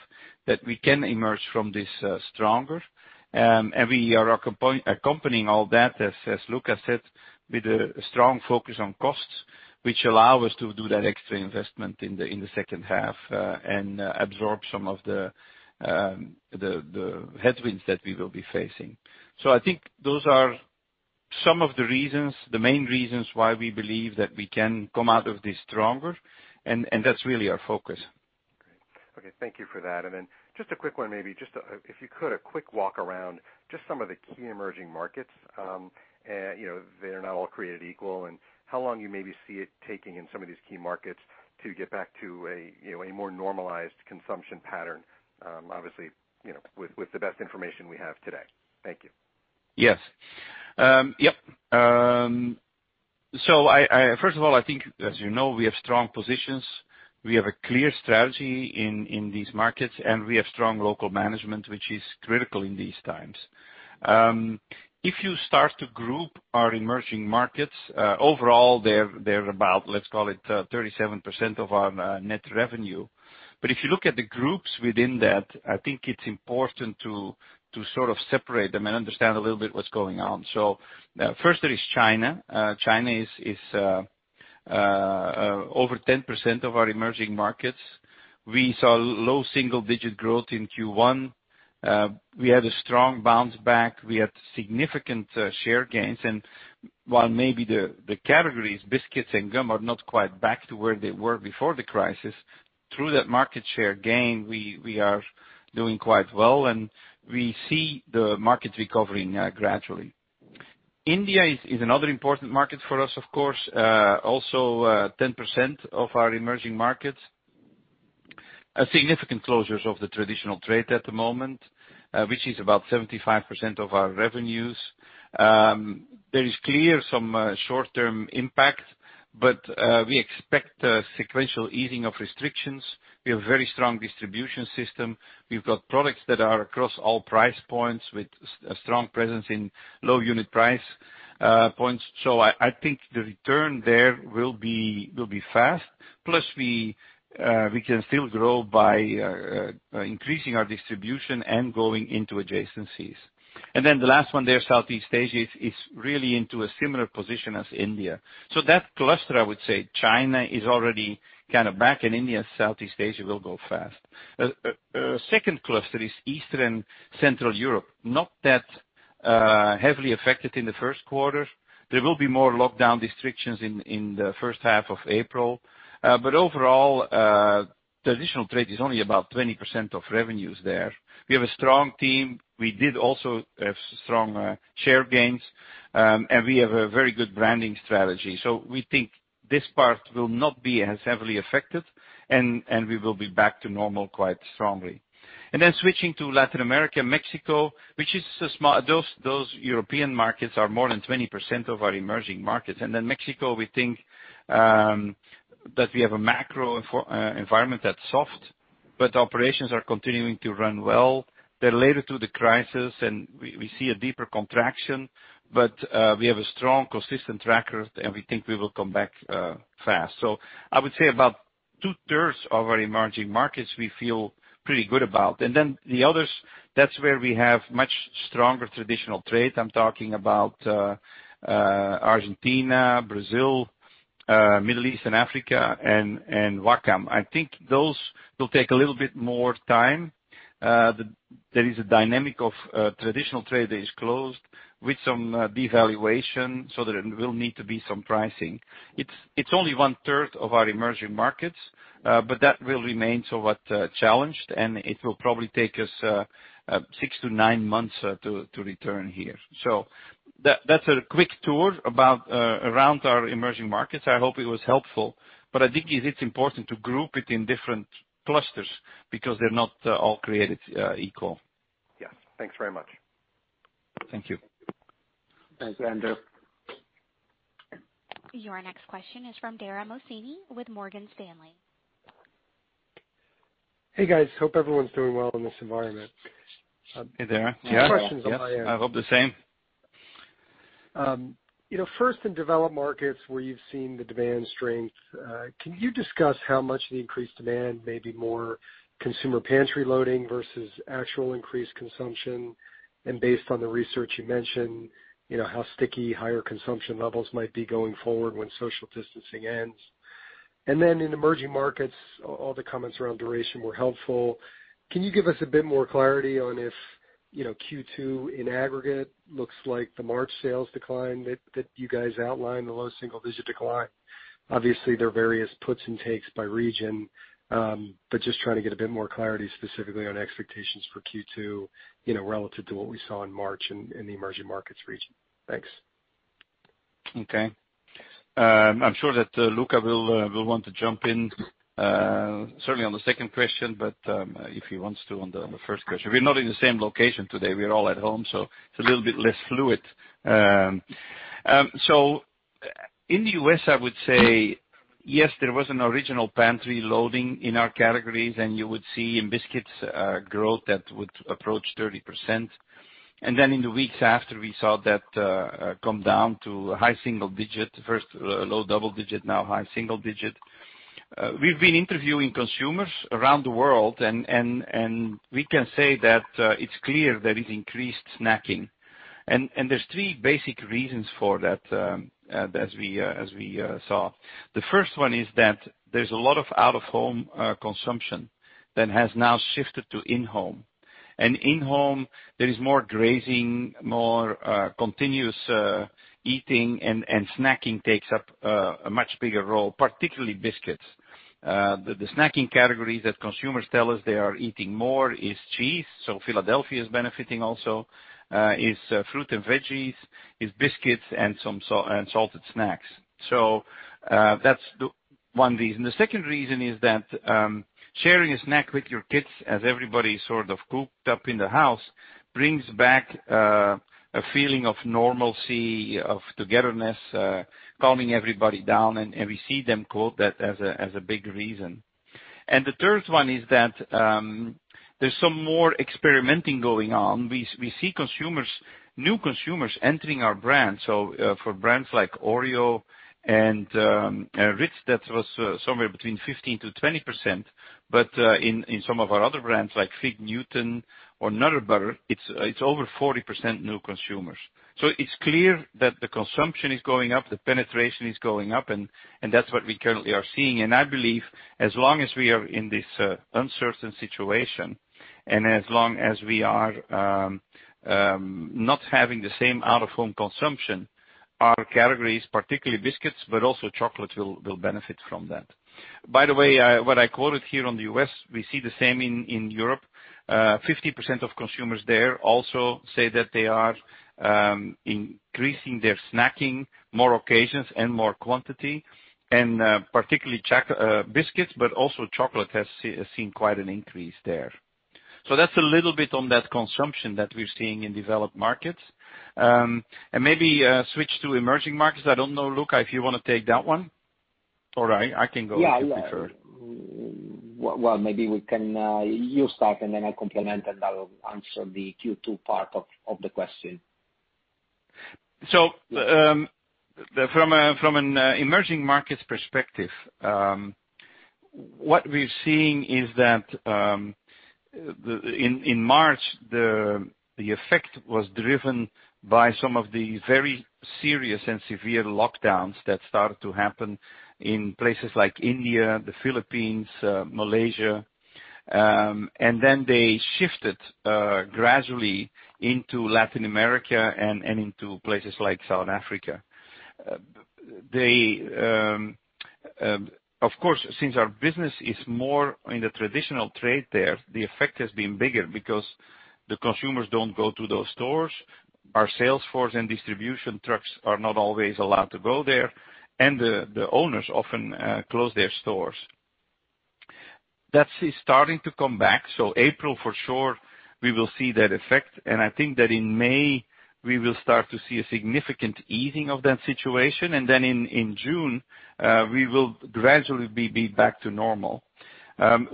that we can emerge from this stronger. We are accompanying all that, as Luca said, with a strong focus on costs, which allow us to do that extra investment in the second half, and absorb some of the headwinds that we will be facing. I think those are some of the reasons, the main reasons why we believe that we can come out of this stronger, and that's really our focus. Great. Okay. Thank you for that. Then just a quick one, maybe. If you could, a quick walk around just some of the key emerging markets. They're not all created equal, and how long you maybe see it taking in some of these key markets to get back to a more normalized consumption pattern, obviously, with the best information we have today. Thank you. Yes. First of all, I think, as you know, we have strong positions. We have a clear strategy in these markets, and we have strong local management, which is critical in these times. If you start to group our emerging markets, overall they're about, let's call it, 37% of our net revenue. If you look at the groups within that, I think it's important to sort of separate them and understand a little bit what's going on. First there is China. China is over 10% of our emerging markets. We saw low single-digit growth in Q1. We had a strong bounce back. We had significant share gains. While maybe the categories, biscuits and gum are not quite back to where they were before the crisis, through that market share gain, we are doing quite well, and we see the market recovering gradually. India is another important market for us, of course. 10% of our emerging markets. A significant closures of the traditional trade at the moment, which is about 75% of our revenues. There is clearly some short-term impact. We expect a sequential easing of restrictions. We have very strong distribution system. We've got products that are across all price points with a strong presence in low unit price points. I think the return there will be fast. We can still grow by increasing our distribution and going into adjacencies. The last one there, Southeast Asia, is really into a similar position as India. That cluster, I would say China is already back and India, Southeast Asia will go fast. Second cluster is Eastern Central Europe, not that heavily affected in the first quarter. There will be more lockdown restrictions in the first half of April. Overall, traditional trade is only about 20% of revenues there. We have a strong team. We did also have strong share gains. We have a very good branding strategy. We think this part will not be as heavily affected and we will be back to normal quite strongly. Switching to Latin America, Mexico. Those European markets are more than 20% of our emerging markets. Mexico, we think that we have a macro environment that's soft, but operations are continuing to run well. They're later to the crisis and we see a deeper contraction. We have a strong, consistent tracker and we think we will come back fast. I would say about two-thirds of our emerging markets we feel pretty good about. Then the others, that's where we have much stronger traditional trade. I'm talking about Argentina, Brazil, Middle East and Africa, and WACAM. I think those will take a little bit more time. There is a dynamic of traditional trade that is closed with some devaluation, there will need to be some pricing. It's only one-third of our emerging markets, that will remain somewhat challenged, and it will probably take us six to nine months to return here. That's a quick tour around our emerging markets. I hope it was helpful. I think it's important to group it in different clusters because they're not all created equal. Yes. Thanks very much. Thank you. Thanks, Andrew. Your next question is from Dara Mohsenian with Morgan Stanley. Hey, guys. Hope everyone's doing well in this environment. Hey, Dara. Yeah. I have questions. I hope the same. In developed markets where you've seen the demand strength, can you discuss how much of the increased demand may be more consumer pantry loading versus actual increased consumption? Based on the research you mentioned, how sticky higher consumption levels might be going forward when social distancing ends. In emerging markets, all the comments around duration were helpful. Can you give us a bit more clarity on if Q2 in aggregate looks like the March sales decline that you guys outlined, the low single-digit decline? There are various puts and takes by region, just trying to get a bit more clarity specifically on expectations for Q2, relative to what we saw in March in the emerging markets region. Thanks. Okay. I'm sure that Luca will want to jump in, certainly on the second question, if he wants to on the first question. We're not in the same location today, we're all at home, it's a little bit less fluid. In the U.S., I would say, yes, there was an original pantry loading in our categories, you would see in biscuits, growth that would approach 30%. In the weeks after, we saw that come down to high single digit. First low double digit, now high single digit. We've been interviewing consumers around the world, we can say that it's clear there is increased snacking. There's three basic reasons for that as we saw. The first one is that there's a lot of out-of-home consumption that has now shifted to in-home. In-home, there is more grazing, more continuous eating, and snacking takes up a much bigger role, particularly biscuits. The snacking categories that consumers tell us they are eating more is cheese, so Philadelphia is benefiting also, is fruit and veggies, is biscuits and salted snacks. That's one reason. The second reason is that sharing a snack with your kids as everybody is sort of cooped up in the house brings back a feeling of normalcy, of togetherness, calming everybody down, and we see them quote that as a big reason. The third one is that there's some more experimenting going on. We see new consumers entering our brand. For brands like OREO and Ritz, that was somewhere between 15%-20%. In some of our other brands like Fig Newtons or Nutter Butter, it's over 40% new consumers. It's clear that the consumption is going up, the penetration is going up, and that's what we currently are seeing. I believe as long as we are in this uncertain situation, and as long as we are not having the same out-of-home consumption, our categories, particularly biscuits, but also chocolate, will benefit from that. By the way, what I quoted here on the U.S., we see the same in Europe. 50% of consumers there also say that they are increasing their snacking, more occasions and more quantity, and particularly biscuits, but also chocolate has seen quite an increase there. That's a little bit on that consumption that we're seeing in developed markets. Maybe switch to emerging markets. I don't know, Luca, if you want to take that one. I can go if you prefer. Yeah. Well, maybe you start and then I complement and I'll answer the Q2 part of the question. From an emerging markets perspective, what we're seeing is that in March, the effect was driven by some of the very serious and severe lockdowns that started to happen in places like India, the Philippines, Malaysia. They shifted gradually into Latin America and into places like South Africa. Of course, since our business is more in the traditional trade there, the effect has been bigger because the consumers don't go to those stores, our sales force and distribution trucks are not always allowed to go there, and the owners often close their stores. That is starting to come back. April for sure, we will see that effect, and I think that in May, we will start to see a significant easing of that situation. In June, we will gradually be back to normal.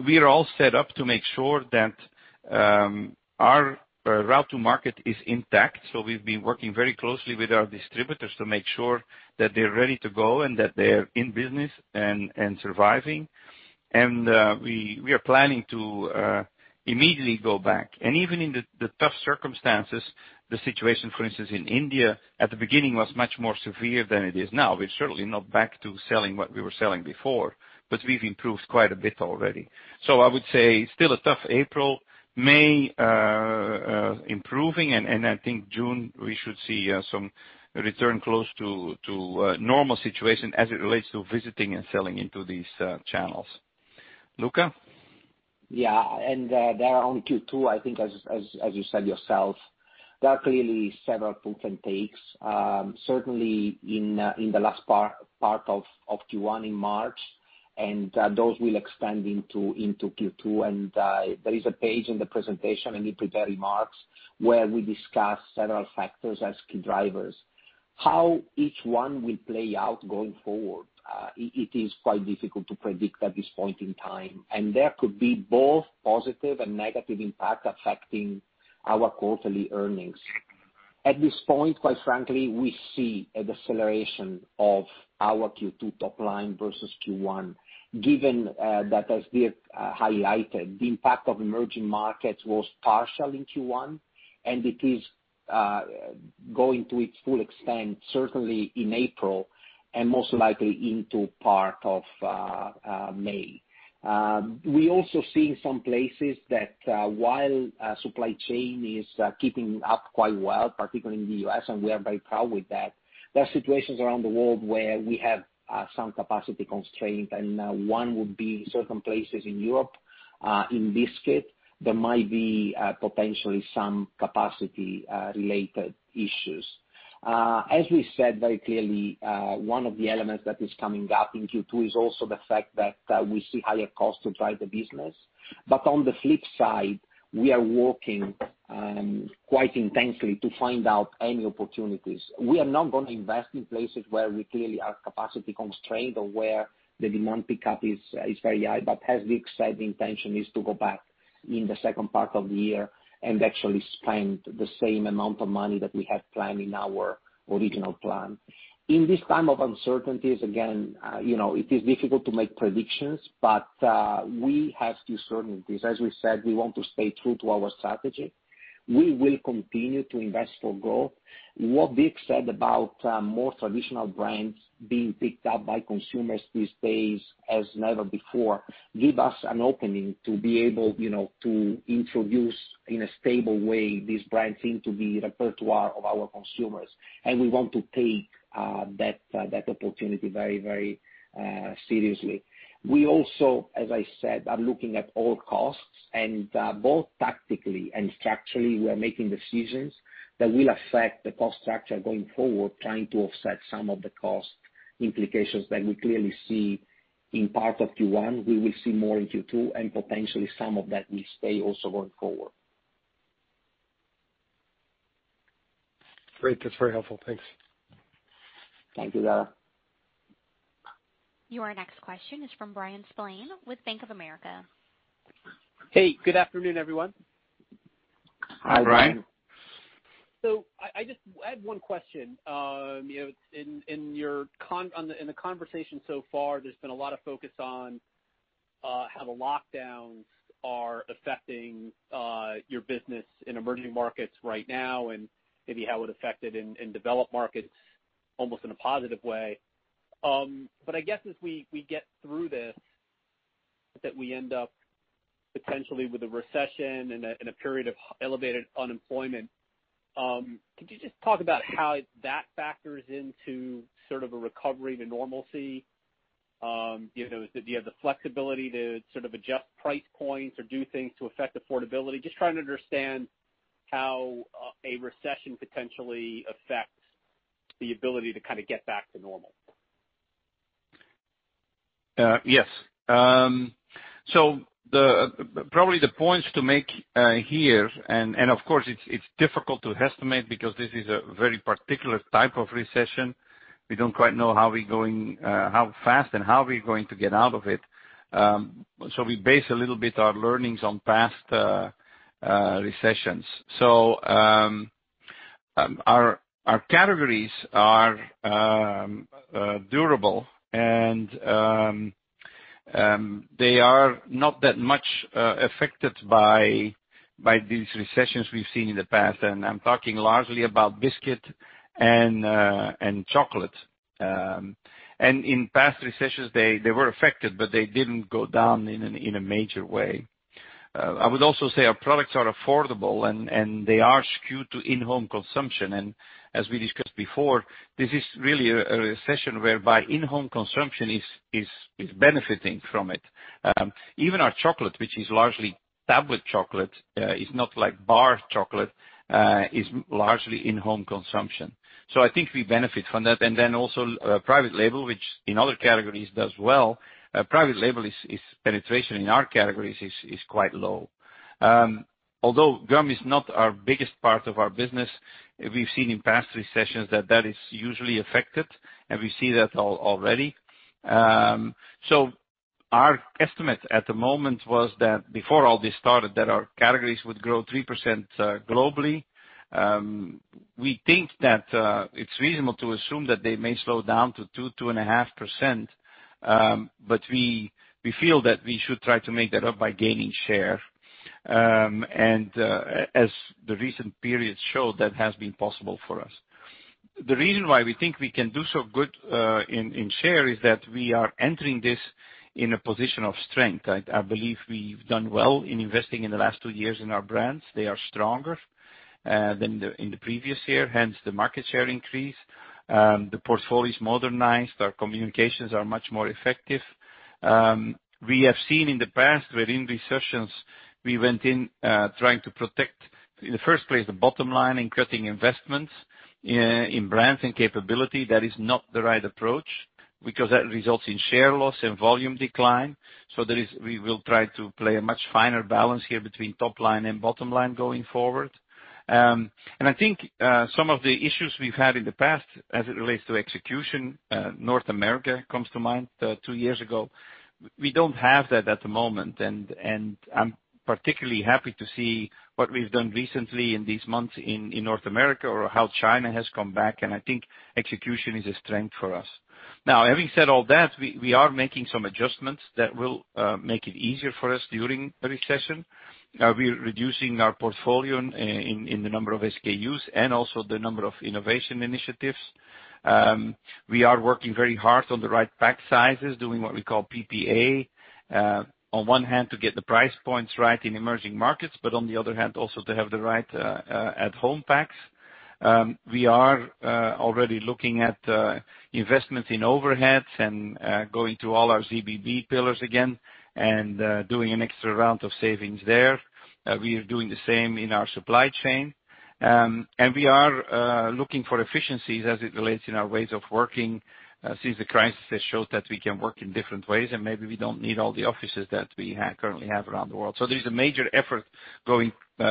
We are all set up to make sure that our route to market is intact. We've been working very closely with our distributors to make sure that they're ready to go and that they are in business and surviving. We are planning to immediately go back. Even in the tough circumstances, the situation, for instance, in India, at the beginning, was much more severe than it is now. We're certainly not back to selling what we were selling before, but we've improved quite a bit already. I would say, still a tough April. May, improving, and I think June, we should see some return close to normal situation as it relates to visiting and selling into these channels. Luca? Yeah. There on Q2, I think as you said yourself, there are clearly several puts and takes. Certainly, in the last part of Q1 in March, and those will extend into Q2. There is a page in the presentation in the prepared remarks where we discuss several factors as key drivers. How each one will play out going forward, it is quite difficult to predict at this point in time, and there could be both positive and negative impact affecting our quarterly earnings. At this point, quite frankly, we see a deceleration of our Q2 top line versus Q1, given that as Dirk highlighted, the impact of emerging markets was partial in Q1, and it is going to its full extent, certainly in April and most likely into part of May. We also see in some places that while supply chain is keeping up quite well, particularly in the U.S. We are very proud with that. There are situations around the world where we have some capacity constraint. One would be certain places in Europe. In biscuit, there might be potentially some capacity-related issues. As we said very clearly, one of the elements that is coming up in Q2 is also the fact that we see higher costs to drive the business. On the flip side, we are working quite intensely to find out any opportunities. We are not going to invest in places where we clearly are capacity constrained or where the demand pickup is very high, but as Dirk said, the intention is to go back in the second part of the year and actually spend the same amount of money that we had planned in our original plan. In this time of uncertainties, again, it is difficult to make predictions, but we have few certainties. As we said, we want to stay true to our strategy. We will continue to invest for growth. What Dirk said about more traditional brands being picked up by consumers these days as never before, give us an opening to be able to introduce, in a stable way, these brands into the repertoire of our consumers. We want to take that opportunity very seriously. We also, as I said, are looking at all costs, and both tactically and structurally, we are making decisions that will affect the cost structure going forward, trying to offset some of the cost implications that we clearly see in part of Q1. We will see more in Q2, and potentially, some of that will stay also going forward. Great. That's very helpful. Thanks. Thank you, Dara. Your next question is from Bryan Spillane with Bank of America. Hey, good afternoon, everyone. Hi, Bryan. Hi. I just had one question. In the conversation so far, there's been a lot of focus on how the lockdowns are affecting your business in emerging markets right now and maybe how it affected in developed markets almost in a positive way. I guess as we get through this, that we end up potentially with a recession and a period of elevated unemployment. Could you just talk about how that factors into sort of a recovery to normalcy? Do you have the flexibility to sort of adjust price points or do things to affect affordability? Just trying to understand how a recession potentially affects the ability to kind of get back to normal. Yes. Probably the points to make here, and of course, it's difficult to estimate because this is a very particular type of recession. We don't quite know how fast and how we're going to get out of it. We base a little bit our learnings on past recessions. Our categories are durable, and they are not that much affected by these recessions we've seen in the past, and I'm talking largely about biscuit and chocolate. In past recessions, they were affected, but they didn't go down in a major way. I would also say our products are affordable, and they are skewed to in-home consumption. As we discussed before, this is really a recession whereby in-home consumption is benefiting from it. Even our chocolate, which is largely tablet chocolate, is not like bar chocolate, is largely in-home consumption. I think we benefit from that. Also private label, which in other categories does well. Private label penetration in our categories is quite low. Gum is not our biggest part of our business, we've seen in past recessions that that is usually affected, and we see that already. Our estimate at the moment was that before all this started, that our categories would grow 3% globally. We think that it's reasonable to assume that they may slow down to 2%, 2.5%, we feel that we should try to make that up by gaining share. As the recent periods show, that has been possible for us. The reason why we think we can do so good in share is that we are entering this in a position of strength. I believe we've done well in investing in the last two years in our brands. They are stronger than in the previous year, hence the market share increase. The portfolio is modernized. Our communications are much more effective. We have seen in the past where in recessions, we went in trying to protect, in the first place, the bottom line in cutting investments in brands and capability. That is not the right approach, because that results in share loss and volume decline. We will try to play a much finer balance here between top line and bottom line going forward. I think some of the issues we've had in the past as it relates to execution, North America comes to mind, two years ago. We don't have that at the moment, and I'm particularly happy to see what we've done recently in these months in North America or how China has come back, and I think execution is a strength for us. Now, having said all that, we are making some adjustments that will make it easier for us during the recession. We're reducing our portfolio in the number of SKUs and also the number of innovation initiatives. We are working very hard on the right pack sizes, doing what we call PPA. On one hand to get the price points right in emerging markets, but on the other hand, also to have the right at-home packs. We are already looking at investments in overheads and going through all our ZBB pillars again and doing an extra round of savings there. We are doing the same in our supply chain. We are looking for efficiencies as it relates in our ways of working, since the crisis has showed that we can work in different ways and maybe we don't need all the offices that we currently have around the world. There's a major effort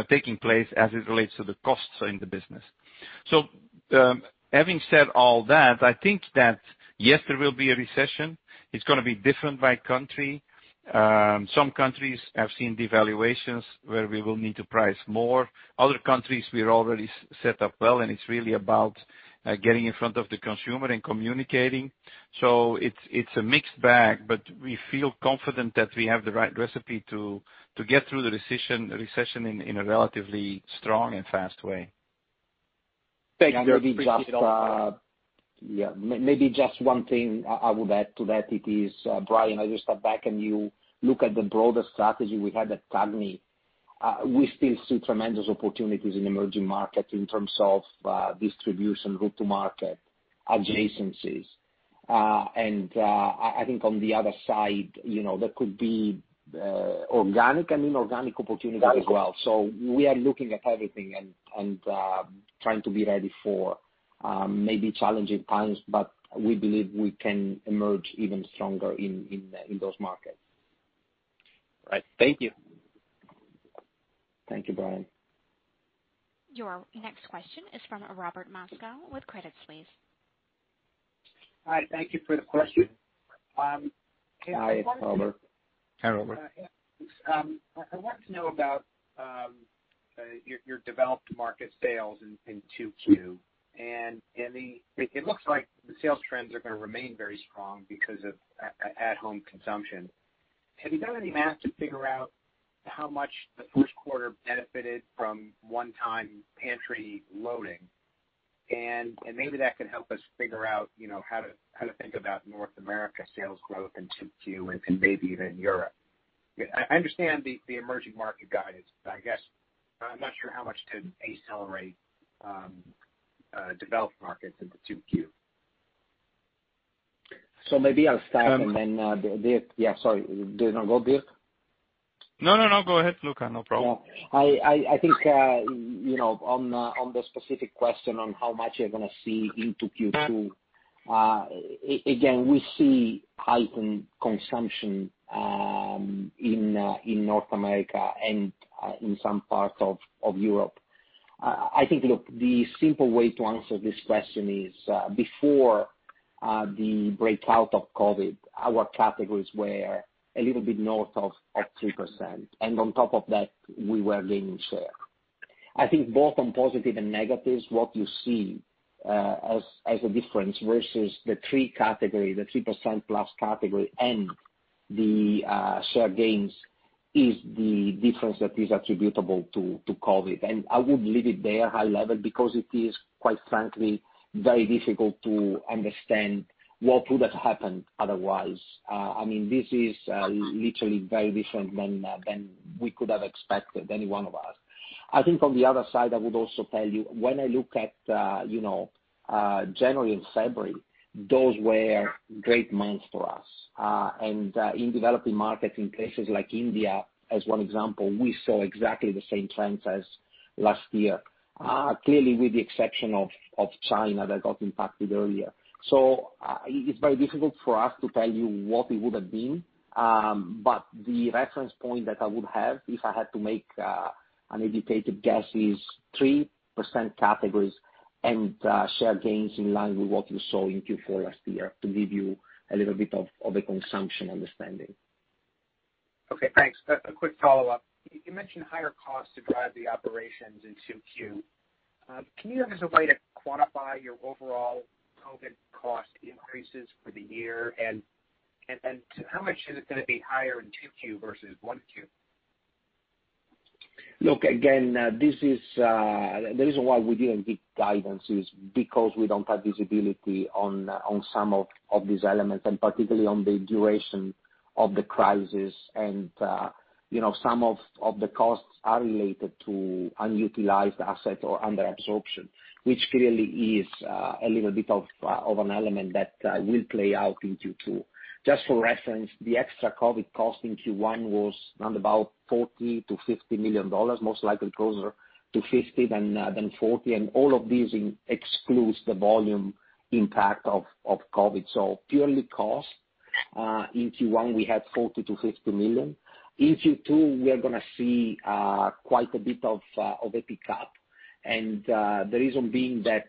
taking place as it relates to the costs in the business. Having said all that, I think that yes, there will be a recession. It's going to be different by country. Some countries have seen devaluations where we will need to price more. Other countries, we are already set up well, and it's really about getting in front of the consumer and communicating. It's a mixed bag, but we feel confident that we have the right recipe to get through the recession in a relatively strong and fast way. Thanks, Dirk. Appreciate it. Yeah. Maybe just one thing I would add to that. It is, Bryan, as you step back and you look at the broader strategy we had at CAGNY, we still see tremendous opportunities in emerging markets in terms of distribution, route to market, adjacencies. I think on the other side, there could be organic and inorganic opportunities as well. We are looking at everything and trying to be ready for maybe challenging times, but we believe we can emerge even stronger in those markets. Right. Thank you. Thank you, Bryan. Your next question is from Robert Moskow with Credit Suisse. Hi, thank you for the question. Hi, Robert. Hi, Robert. I wanted to know about your developed market sales in 2Q. It looks like the sales trends are going to remain very strong because of at-home consumption. Have you done any math to figure out how much the first quarter benefited from one-time pantry loading? Maybe that can help us figure out how to think about North America sales growth in 2Q and maybe even Europe. I understand the emerging market guidance, I guess I'm not sure how much to accelerate developed markets into 2Q. Maybe I'll start and then Dirk. Yeah, sorry. No, go, Dirk. No, go ahead, Luca. No problem. I think on the specific question on how much you're going to see into Q2, again, we see heightened consumption in North America and in some parts of Europe. I think, look, the simple way to answer this question is, before the breakout of COVID, our categories were a little bit north of 3%, and on top of that, we were gaining share. I think both on positive and negatives, what you see as a difference versus the three category, the 3% plus category and the share gains is the difference that is attributable to COVID. I would leave it there, high level, because it is, quite frankly, very difficult to understand what would have happened otherwise. This is literally very different than we could have expected, any one of us. I think on the other side, I would also tell you, when I look at January and February, those were great months for us. In developing markets in places like India as one example, we saw exactly the same trends as last year. Clearly, with the exception of China, that got impacted earlier. It's very difficult for us to tell you what it would've been, but the reference point that I would have if I had to make an educated guess is 3% categories and share gains in line with what you saw in Q4 last year to give you a little bit of a consumption understanding. Okay, thanks. A quick follow-up. You mentioned higher costs to drive the operations in Q2. Can you give us a way to quantify your overall COVID cost increases for the year, how much is it going to be higher in Q2 versus Q1? Look, the reason why we didn't give guidance is because we don't have visibility on some of these elements, and particularly on the duration of the crisis. Some of the costs are related to unutilized asset or under absorption, which clearly is a little bit of an element that will play out in Q2. Just for reference, the extra COVID cost in Q1 was around about $40 million-$50 million, most likely closer to 50 than 40, and all of these excludes the volume impact of COVID. Purely cost, in Q1 we had $40 million-$50 million. In Q2, we are going to see quite a bit of a pickup, the reason being that,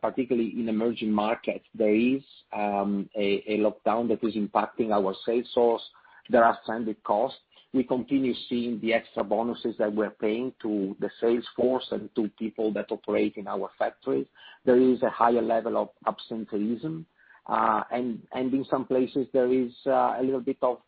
particularly in emerging markets, there is a lockdown that is impacting our sales force. There are standard costs. We continue seeing the extra bonuses that we're paying to the sales force and to people that operate in our factories. There is a higher level of absenteeism. In some places there is a little bit of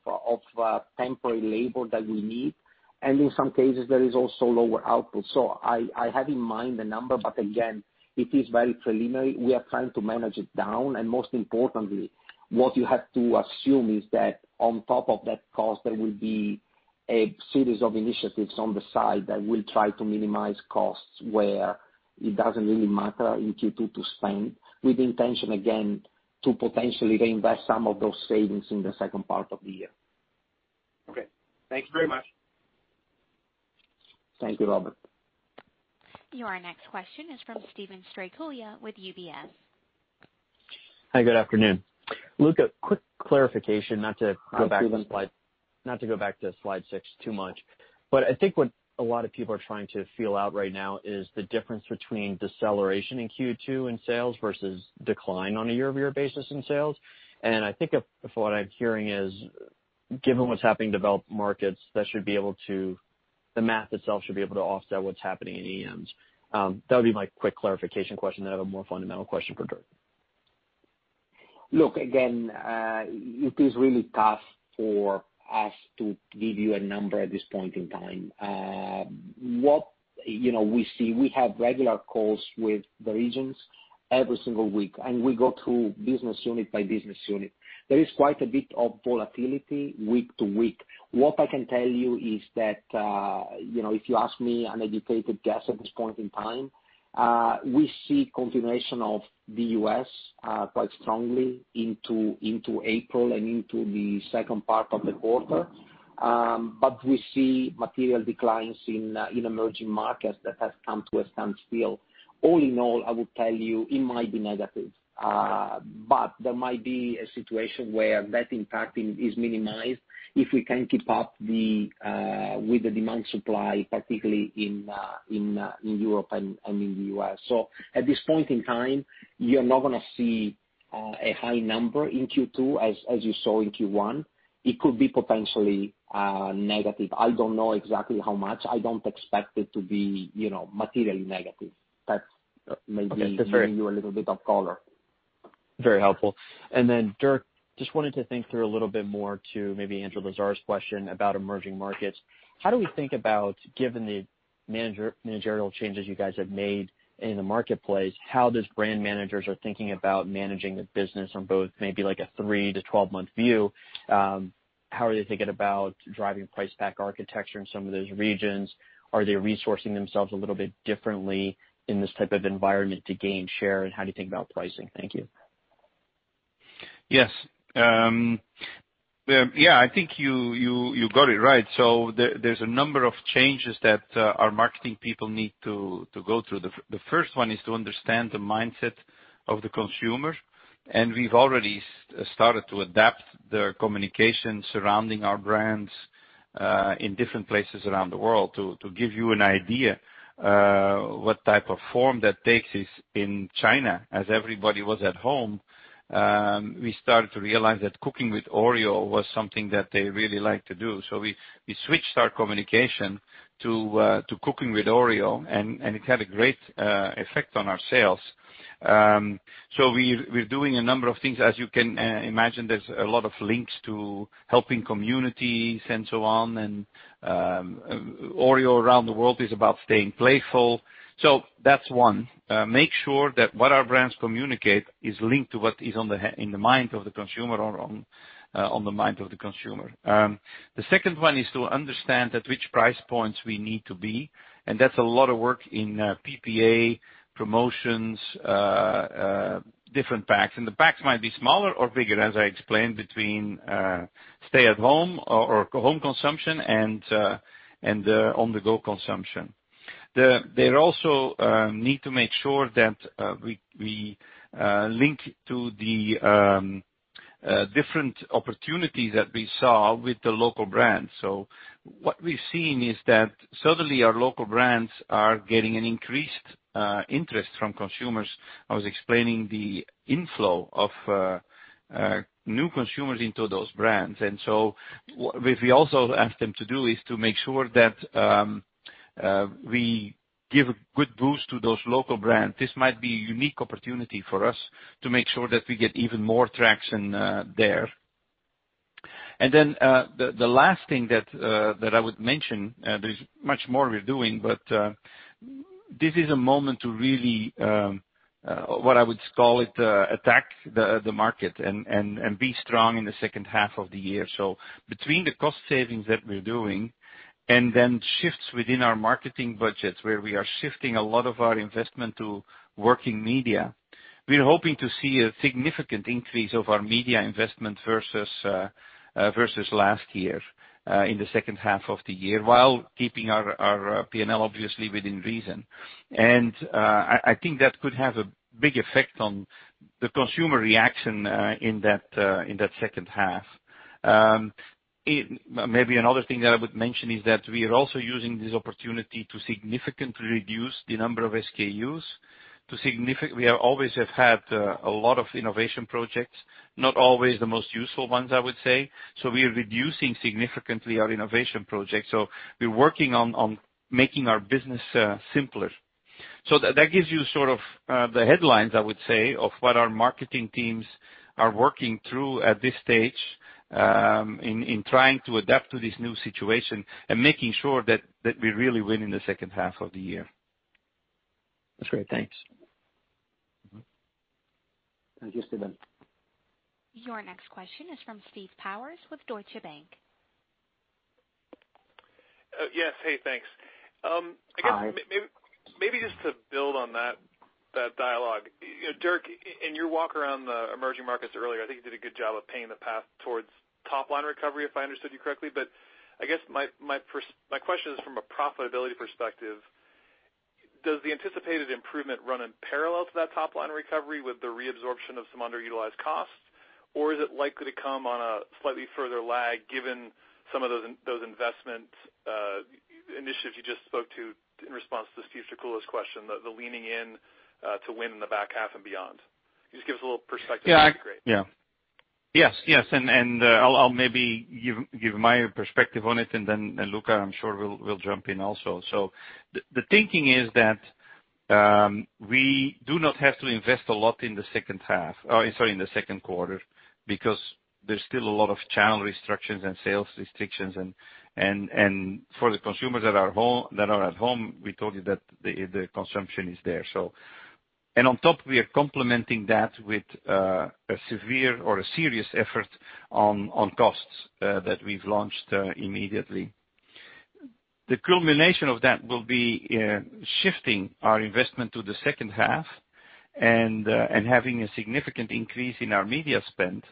temporary labor that we need. In some cases, there is also lower output. I have in mind the number, but again, it is very preliminary. We are trying to manage it down, and most importantly, what you have to assume is that on top of that cost, there will be a series of initiatives on the side that will try to minimize costs where it doesn't really matter in Q2 to spend, with the intention, again, to potentially reinvest some of those savings in the second part of the year. Okay. Thank you very much. Thank you, Robert. Your next question is from Steven Strycula with UBS. Hi, good afternoon. Luca, quick clarification, not to go back to slide six too much, but I think what a lot of people are trying to feel out right now is the difference between deceleration in Q2 in sales versus decline on a year-over-year basis in sales. I think what I'm hearing is, given what's happening in developed markets, the math itself should be able to offset what's happening in EMs. That would be my quick clarification question. I have a more fundamental question for Dirk. Look, again, it is really tough for us to give you a number at this point in time. What we see, we have regular calls with the regions every single week, and we go through business unit by business unit. There is quite a bit of volatility week to week. What I can tell you is that, if you ask me an educated guess at this point in time, we see continuation of the U.S. quite strongly into April and into the second part of the quarter. We see material declines in emerging markets that has come to a standstill. All in all, I would tell you it might be negative. There might be a situation where that impact is minimized if we can keep up with the demand supply, particularly in Europe and in the U.S. At this point in time, you're not going to see a high number in Q2 as you saw in Q1. It could be potentially negative. I don't know exactly how much. I don't expect it to be materially negative. Okay. That's. giving you a little bit of color. Very helpful. Dirk, just wanted to think through a little bit more to maybe Andrew Lazar's question about emerging markets. How do we think about, given the managerial changes you guys have made in the marketplace, how those brand managers are thinking about managing the business on both maybe like a three to 12-month view? How are they thinking about driving Price Pack Architecture in some of those regions? Are they resourcing themselves a little bit differently in this type of environment to gain share? How do you think about pricing? Thank you. Yes. Yeah, I think you got it right. There's a number of changes that our marketing people need to go through. The first one is to understand the mindset of the consumer, and we've already started to adapt the communication surrounding our brands, in different places around the world. To give you an idea, what type of form that takes is in China, as everybody was at home, we started to realize that cooking with OREO was something that they really like to do. We switched our communication to cooking with OREO, and it had a great effect on our sales. We're doing a number of things. As you can imagine, there's a lot of links to helping communities and so on, and OREO around the world is about staying playful. That's one. Make sure that what our brands communicate is linked to what is in the mind of the consumer or on the mind of the consumer. The second one is to understand at which price points we need to be, that's a lot of work in PPA, promotions, different packs. The packs might be smaller or bigger, as I explained, between stay-at-home or home consumption and on-the-go consumption. There also need to make sure that we link to a different opportunity that we saw with the local brands. What we've seen is that suddenly our local brands are getting an increased interest from consumers. I was explaining the inflow of new consumers into those brands. What we also asked them to do is to make sure that we give a good boost to those local brands. This might be a unique opportunity for us to make sure that we get even more traction there. The last thing that I would mention, there's much more we're doing, but this is a moment to really what I would call it, attack the market and be strong in the second half of the year. Between the cost savings that we're doing and then shifts within our marketing budgets, where we are shifting a lot of our investment to working media, we're hoping to see a significant increase of our media investment versus last year in the second half of the year, while keeping our P&L obviously within reason. I think that could have a big effect on the consumer reaction in that second half. Maybe another thing that I would mention is that we are also using this opportunity to significantly reduce the number of SKUs. We always have had a lot of innovation projects, not always the most useful ones, I would say. We are reducing significantly our innovation projects. We're working on making our business simpler. That gives you sort of the headlines, I would say, of what our marketing teams are working through at this stage in trying to adapt to this new situation and making sure that we really win in the second half of the year. That's great. Thanks. Mm-hmm. Thank you, Steven. Your next question is from Steve Powers with Deutsche Bank. Yes. Hey, thanks. Hi. Again, maybe just to build on that dialogue. Dirk, in your walk around the emerging markets earlier, I think you did a good job of painting the path towards top-line recovery, if I understood you correctly. I guess my question is from a profitability perspective. Does the anticipated improvement run in parallel to that top-line recovery with the reabsorption of some underutilized costs? Is it likely to come on a slightly further lag given some of those investment initiatives you just spoke to in response to Steve Strycula's question, the leaning in to win in the back half and beyond? Give us a little perspective, that'd be great. Yes, and I'll maybe give my perspective on it and then Luca, I'm sure will jump in also. The thinking is that we do not have to invest a lot in the second quarter because there's still a lot of channel restrictions and sales restrictions and for the consumers that are at home, we told you that the consumption is there. On top, we are complementing that with a severe or a serious effort on costs that we've launched immediately. The culmination of that will be shifting our investment to the second half and having a significant increase in our media spend.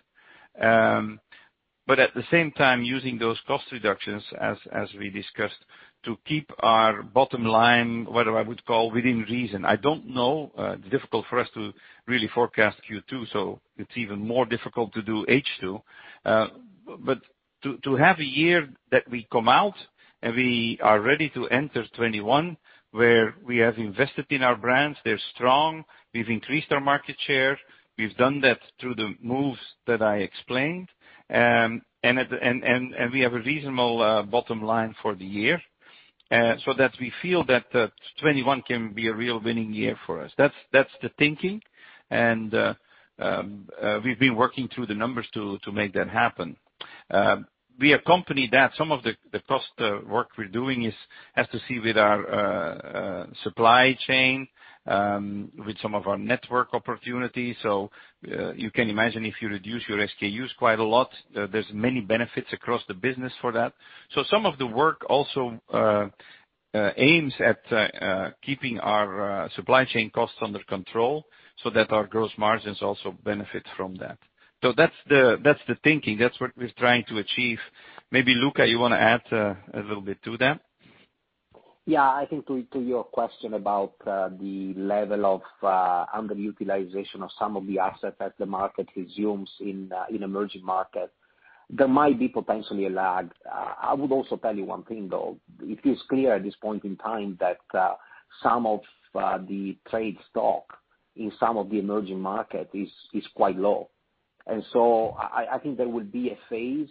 At the same time using those cost reductions, as we discussed, to keep our bottom line, what I would call within reason. I don't know, difficult for us to really forecast Q2, so it's even more difficult to do H2. To have a year that we come out and we are ready to enter 2021, where we have invested in our brands, they're strong. We've increased our market share. We've done that through the moves that I explained. We have a reasonable bottom line for the year, so that we feel that 2021 can be a real winning year for us. That's the thinking and we've been working through the numbers to make that happen. We accompany that. Some of the cost work we're doing has to see with our supply chain, with some of our network opportunities. You can imagine if you reduce your SKUs quite a lot, there's many benefits across the business for that. Some of the work also aims at keeping our supply chain costs under control so that our gross margins also benefit from that. That's the thinking. That's what we're trying to achieve. Maybe Luca, you want to add a little bit to that? I think to your question about the level of underutilization of some of the assets that the market resumes in emerging markets, there might be potentially a lag. I would also tell you one thing, though. It is clear at this point in time that some of the trade stock in some of the emerging market is quite low. I think there will be a phase,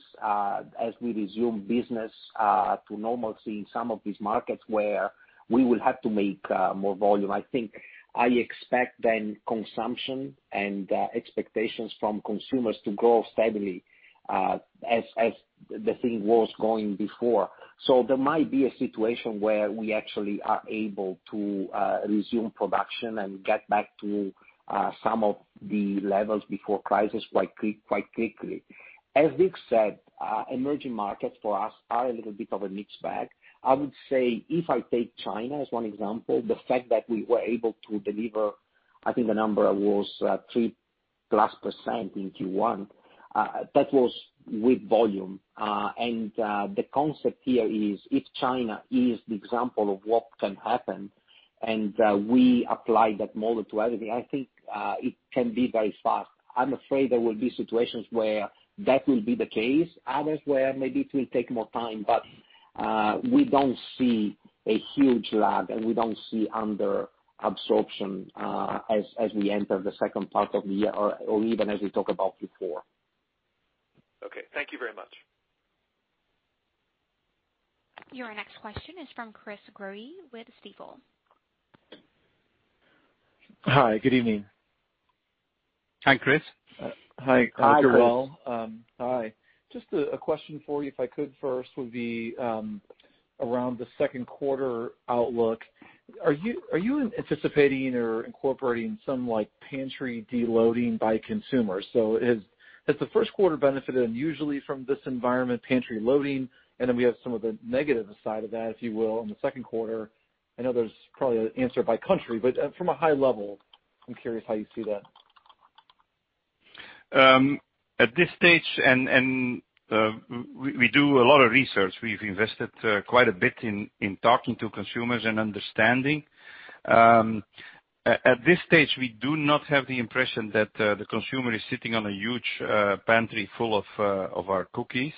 as we resume business to normalcy in some of these markets where we will have to make more volume. I think I expect then consumption and expectations from consumers to grow steadily as the thing was going before. There might be a situation where we actually are able to resume production and get back to some of the levels before crisis quite quickly. As Dirk said, emerging markets for us are a little bit of a mixed bag. I would say if I take China as one example, the fact that we were able to deliver, I think the number was 3%+ in Q1, that was with volume. The concept here is if China is the example of what can happen and we apply that model to everything, I think it can be very fast. I'm afraid there will be situations where that will be the case, others where maybe it will take more time, but we don't see a huge lag, and we don't see under absorption as we enter the second part of the year or even as we talk about Q4. Okay. Thank you very much. Your next question is from Chris Growe with Stifel. Hi. Good evening. Hi, Chris. Hi, Chris. Hi, everyone. Just a question for you, if I could first, would be around the second quarter outlook. Are you anticipating or incorporating some pantry de-loading by consumers? Has the first quarter benefited unusually from this environment, pantry loading, and then we have some of the negative side of that, if you will, in the second quarter? I know there's probably an answer by country, from a high level, I'm curious how you see that. At this stage, we do a lot of research. We've invested quite a bit in talking to consumers and understanding. At this stage, we do not have the impression that the consumer is sitting on a huge pantry full of our cookies.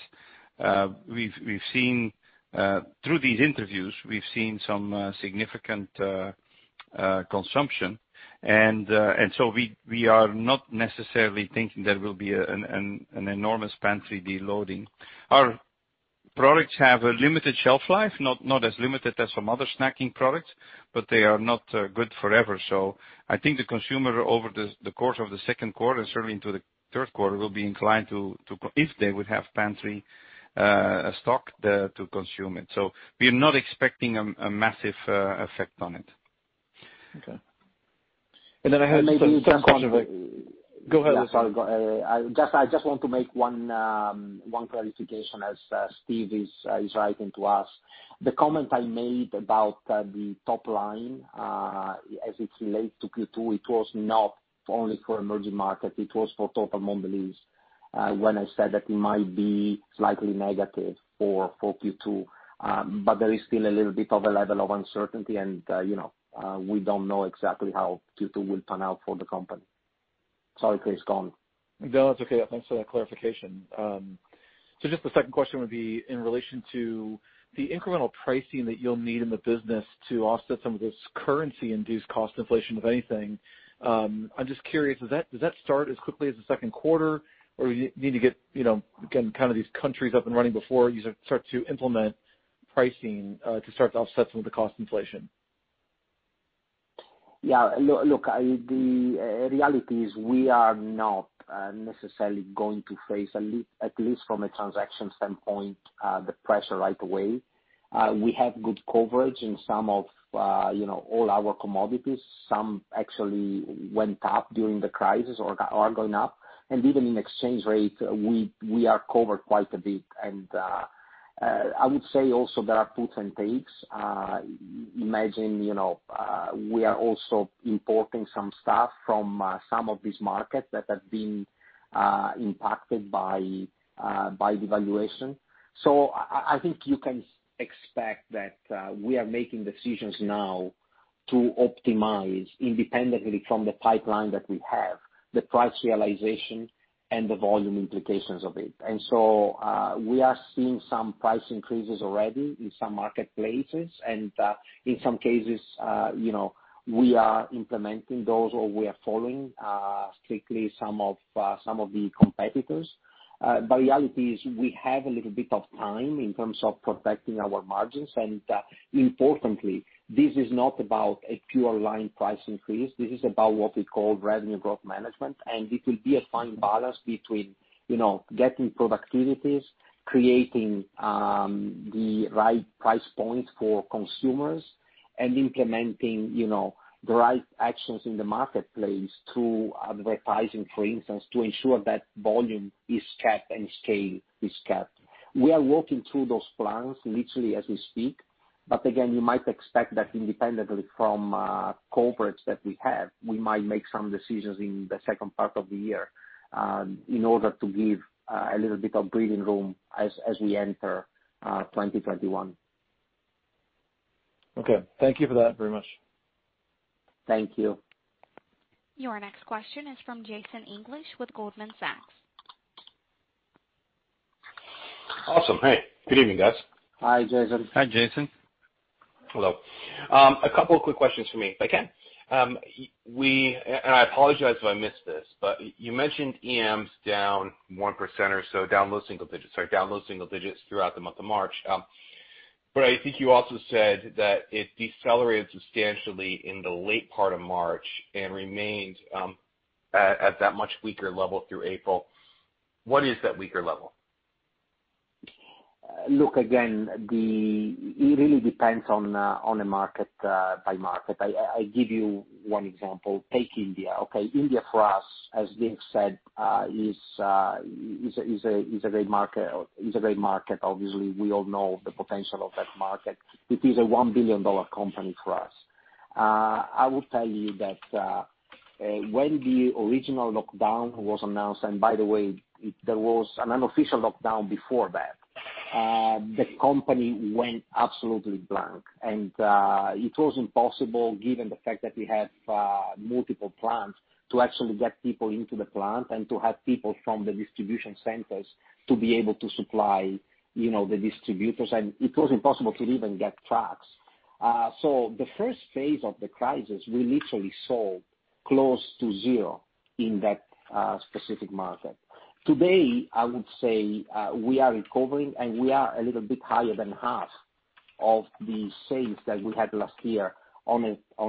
Through these interviews, we've seen some significant consumption. We are not necessarily thinking there will be an enormous pantry de-loading. Our products have a limited shelf life, not as limited as some other snacking products. They are not good forever. I think the consumer, over the course of the second quarter and certainly into the third quarter, will be inclined to, if they would have pantry stock, to consume it. We are not expecting a massive effect on it. Okay. maybe just on- Go ahead. Sorry, go ahead. I just want to make one clarification as Steve is writing to us. The comment I made about the top line as it relates to Q2, it was not only for emerging markets, it was for total Mondelez, when I said that it might be slightly negative for Q2. There is still a little bit of a level of uncertainty and we don't know exactly how Q2 will pan out for the company. Sorry, Chris, go on. No, that's okay. Thanks for that clarification. Just the second question would be in relation to the incremental pricing that you'll need in the business to offset some of this currency-induced cost inflation, if anything. I'm just curious, does that start as quickly as the second quarter, or you need to get these countries up and running before you start to implement pricing to start to offset some of the cost inflation? Yeah. Look, the reality is we are not necessarily going to face, at least from a transaction standpoint, the pressure right away. We have good coverage in all our commodities. Some actually went up during the crisis or are going up. Even in exchange rate, we are covered quite a bit. I would say also there are puts and takes. Imagine, we are also importing some stuff from some of these markets that have been impacted by devaluation. I think you can expect that we are making decisions now to optimize independently from the pipeline that we have, the price realization, and the volume implications of it. We are seeing some price increases already in some marketplaces, and in some cases, we are implementing those or we are following strictly some of the competitors. Reality is we have a little bit of time in terms of protecting our margins. Importantly, this is not about a pure line price increase. This is about what we call revenue growth management, and it will be a fine balance between getting productivities, creating the right price point for consumers, and implementing the right actions in the marketplace through advertising, for instance, to ensure that volume is kept and scale is kept. We are working through those plans literally as we speak. Again, you might expect that independently from corporates that we have, we might make some decisions in the second part of the year in order to give a little bit of breathing room as we enter 2021. Okay. Thank you for that very much. Thank you. Your next question is from Jason English with Goldman Sachs. Awesome. Hey, good evening, guys. Hi, Jason. Hi, Jason. Hello. A couple of quick questions for me, if I can. I apologize if I missed this, but you mentioned EMs down 1% or so, down low single digits throughout the month of March. I think you also said that it decelerated substantially in the late part of March and remained at that much weaker level through April. What is that weaker level? Look, again, it really depends on a market by market. I give you one example. Take India. India for us, as Dirk said, is a great market. Obviously, we all know the potential of that market. It is a $1 billion company for us. I will tell you that when the original lockdown was announced, and by the way, there was an unofficial lockdown before that, the company went absolutely blank. It was impossible, given the fact that we have multiple plants, to actually get people into the plant and to have people from the distribution centers to be able to supply the distributors. It was impossible to even get trucks. The first phase of the crisis, we literally sold close to zero in that specific market. Today, I would say we are recovering, we are a little bit higher than half of the sales that we had last year on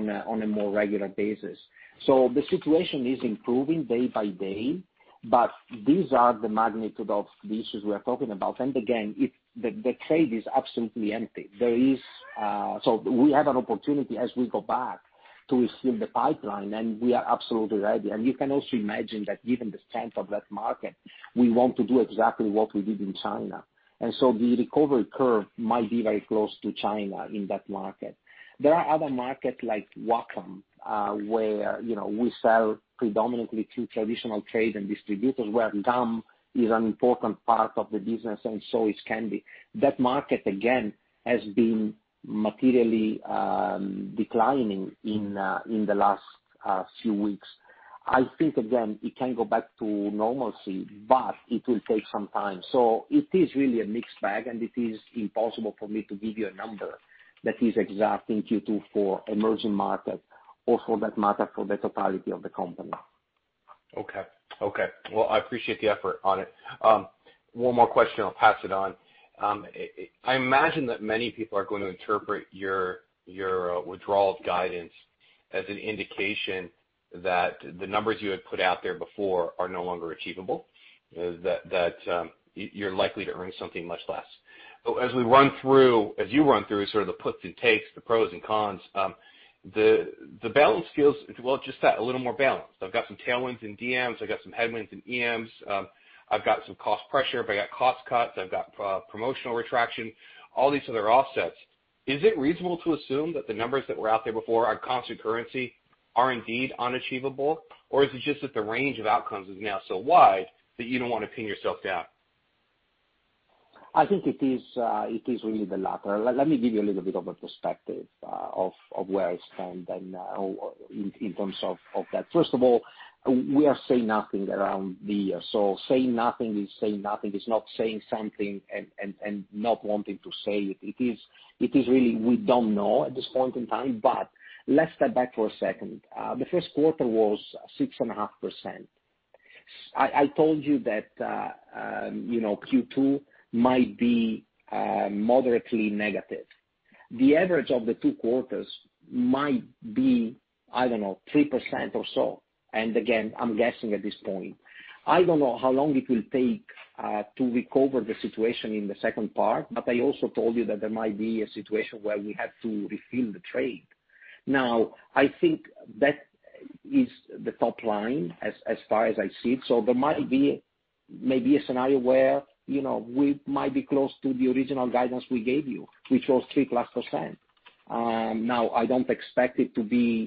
a more regular basis. The situation is improving day by day. These are the magnitude of the issues we are talking about. Again, the trade is absolutely empty. We have an opportunity as we go back to refill the pipeline, and we are absolutely ready. You can also imagine that given the strength of that market, we want to do exactly what we did in China. The recovery curve might be very close to China in that market. There are other markets like WACAM, where we sell predominantly to traditional trade and distributors, where gum is an important part of the business and so is candy. That market, again, has been materially declining in the last few weeks. I think, again, it can go back to normalcy, but it will take some time. It is really a mixed bag, and it is impossible for me to give you a number that is exact in Q2 for emerging markets or for that matter, for the totality of the company. Okay. Well, I appreciate the effort on it. One more question, I'll pass it on. I imagine that many people are going to interpret your withdrawal of guidance as an indication that the numbers you had put out there before are no longer achievable, that you're likely to earn something much less. As you run through sort of the puts and takes, the pros and cons, the balance feels, well, just that, a little more balanced. I've got some tailwinds in DMs, I've got some headwinds in EMs, I've got some cost pressure, but I got cost cuts, I've got promotional retraction, all these other offsets. Is it reasonable to assume that the numbers that were out there before on constant currency are indeed unachievable? Or is it just that the range of outcomes is now so wide that you don't want to pin yourself down? I think it is really the latter. Let me give you a little bit of a perspective of where I stand in terms of that. First of all, we are saying nothing around the year. Saying nothing is saying nothing. It's not saying something and not wanting to say it. It is really we don't know at this point in time, but let's step back for a second. The first quarter was 6.5%. I told you that Q2 might be moderately negative. The average of the two quarters might be, I don't know, 3% or so. Again, I'm guessing at this point. I don't know how long it will take to recover the situation in the second part, but I also told you that there might be a situation where we have to refill the trade. I think that is the top line as far as I see it. There might be maybe a scenario where we might be close to the original guidance we gave you, which was 3%+. I don't expect it to be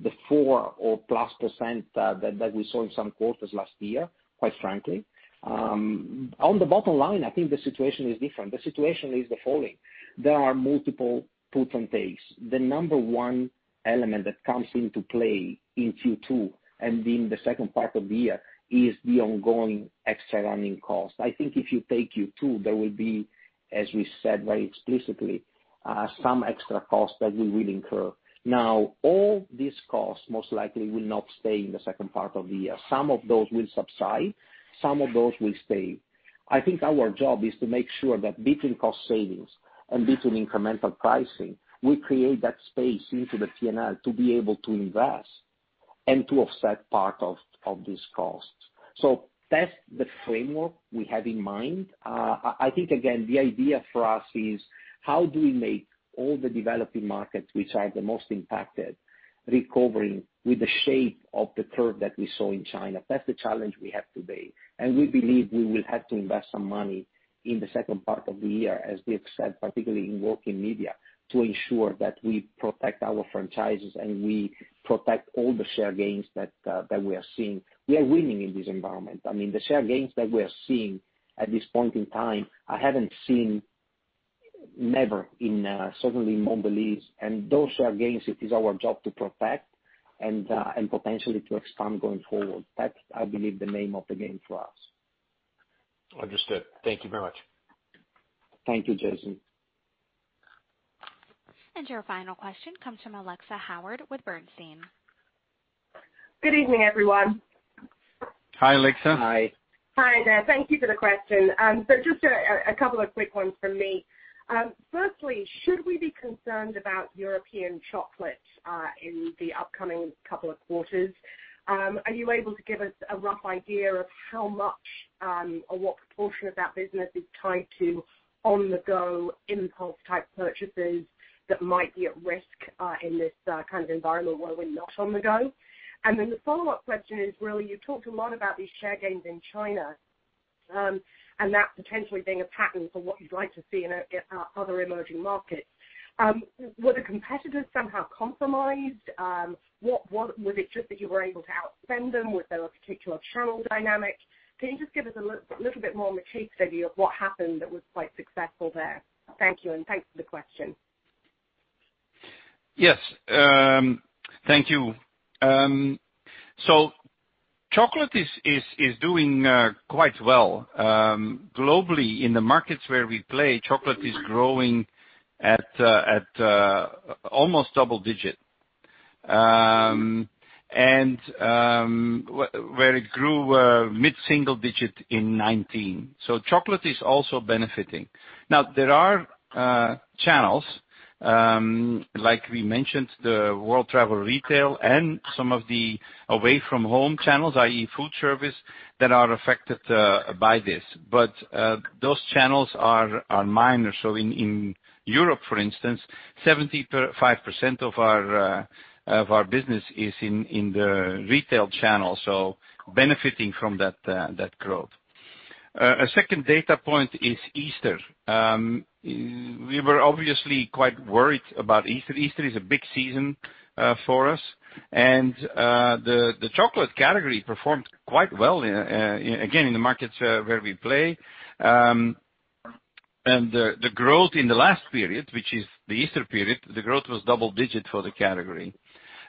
the four or plus percent that we saw in some quarters last year, quite frankly. On the bottom line, I think the situation is different. The situation is the following. There are multiple puts and takes. The number one element that comes into play in Q2 and in the second part of the year is the ongoing extra running cost. I think if you take Q2, there will be, as we said very explicitly, some extra cost that we will incur. All these costs most likely will not stay in the second part of the year. Some of those will subside, some of those will stay. I think our job is to make sure that between cost savings and between incremental pricing, we create that space into the P&L to be able to invest and to offset part of this cost. That's the framework we have in mind. I think, again, the idea for us is how do we make all the developing markets, which are the most impacted, recovering with the shape of the curve that we saw in China? That's the challenge we have today. We believe we will have to invest some money in the second part of the year, as we have said, particularly in working media, to ensure that we protect our franchises and we protect all the share gains that we are seeing. We are winning in this environment. The share gains that we are seeing at this point in time, I haven't seen, never, certainly in Mondelez. Those share gains, it is our job to protect and potentially to expand going forward. That's, I believe, the name of the game for us. Understood. Thank you very much. Thank you, Jason. Your final question comes from Alexia Howard with Bernstein. Good evening, everyone. Hi, Alexia. Hi. Hi there. Thank you for the question. Just a couple of quick ones from me. Firstly, should we be concerned about European chocolate in the upcoming couple of quarters? Are you able to give us a rough idea of how much or what proportion of that business is tied to on-the-go impulse type purchases that might be at risk in this kind of environment where we're not on the go? The follow-up question is really, you talked a lot about these share gains in China, and that potentially being a pattern for what you'd like to see in other emerging markets. Were the competitors somehow compromised? Was it just that you were able to outspend them? Was there a particular channel dynamic? Can you just give us a little bit more of a case study of what happened that was quite successful there? Thank you, and thanks for the question. Yes. Thank you. Chocolate is doing quite well. Globally, in the markets where we play, chocolate is growing at almost double-digit, and where it grew mid-single digit in 2019. Chocolate is also benefiting. Now there are channels, like we mentioned, the world travel retail and some of the away from home channels, i.e. food service, that are affected by this. Those channels are minor. In Europe, for instance, 75% of our business is in the retail channel, so benefiting from that growth. A second data point is Easter. We were obviously quite worried about Easter. Easter is a big season for us, and the chocolate category performed quite well, again, in the markets where we play. The growth in the last period, which is the Easter period, the growth was double-digit for the category.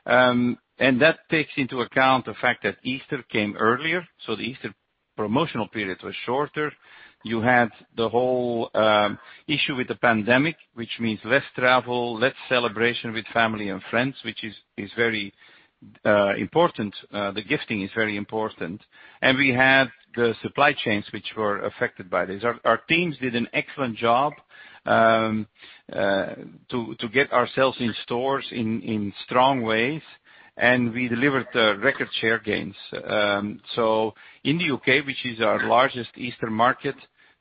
That takes into account the fact that Easter came earlier, so the Easter promotional period was shorter. You had the whole issue with the pandemic, which means less travel, less celebration with family and friends, which is very important. The gifting is very important. We had the supply chains which were affected by this. Our teams did an excellent job to get ourselves in stores in strong ways, and we delivered record share gains. In the U.K., which is our largest Easter market,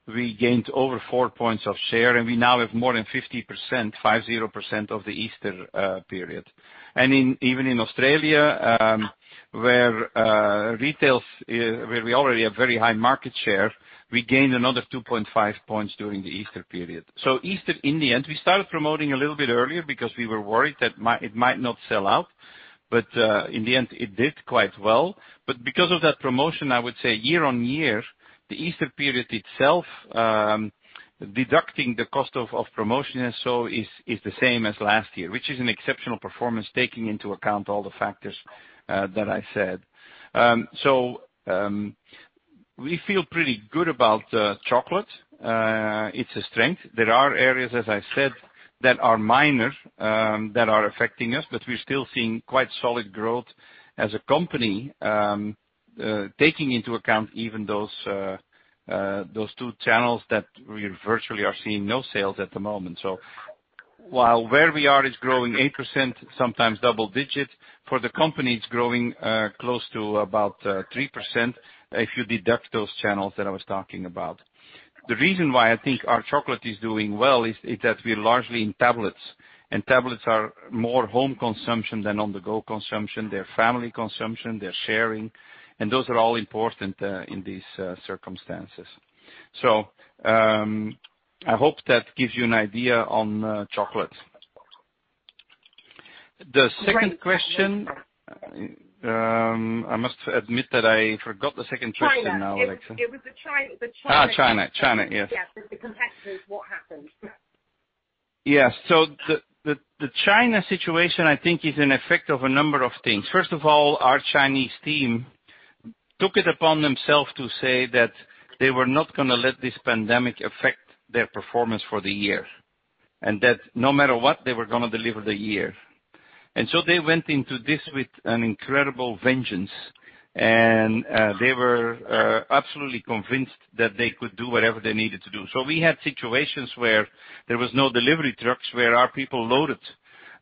we gained over four points of share, and we now have more than 50%, 50%, of the Easter period. Even in Australia, where we already have very high market share, we gained another 2.5 points during the Easter period. Easter, in the end, we started promoting a little bit earlier because we were worried that it might not sell out. In the end, it did quite well. Because of that promotion, I would say year on year, the Easter period itself, deducting the cost of promotion and so, is the same as last year, which is an exceptional performance, taking into account all the factors that I said. We feel pretty good about chocolate. It's a strength. There are areas, as I said, that are minor, that are affecting us, but we're still seeing quite solid growth as a company, taking into account even those two channels that we virtually are seeing no sales at the moment. While where we are is growing 8%, sometimes double digits, for the company, it's growing close to about 3% if you deduct those channels that I was talking about. The reason why I think our chocolate is doing well is that we're largely in tablets, and tablets are more home consumption than on-the-go consumption. They're family consumption, they're sharing, and those are all important in these circumstances. I hope that gives you an idea on chocolate. The second question, I must admit that I forgot the second question now, Alexia. China. China. China, yes. Yes, the competitors, what happened? The China situation, I think, is an effect of a number of things. First of all, our Chinese team took it upon themselves to say that they were not gonna let this pandemic affect their performance for the year, and that no matter what, they were gonna deliver the year. They went into this with an incredible vengeance, and they were absolutely convinced that they could do whatever they needed to do. We had situations where there was no delivery trucks, where our people loaded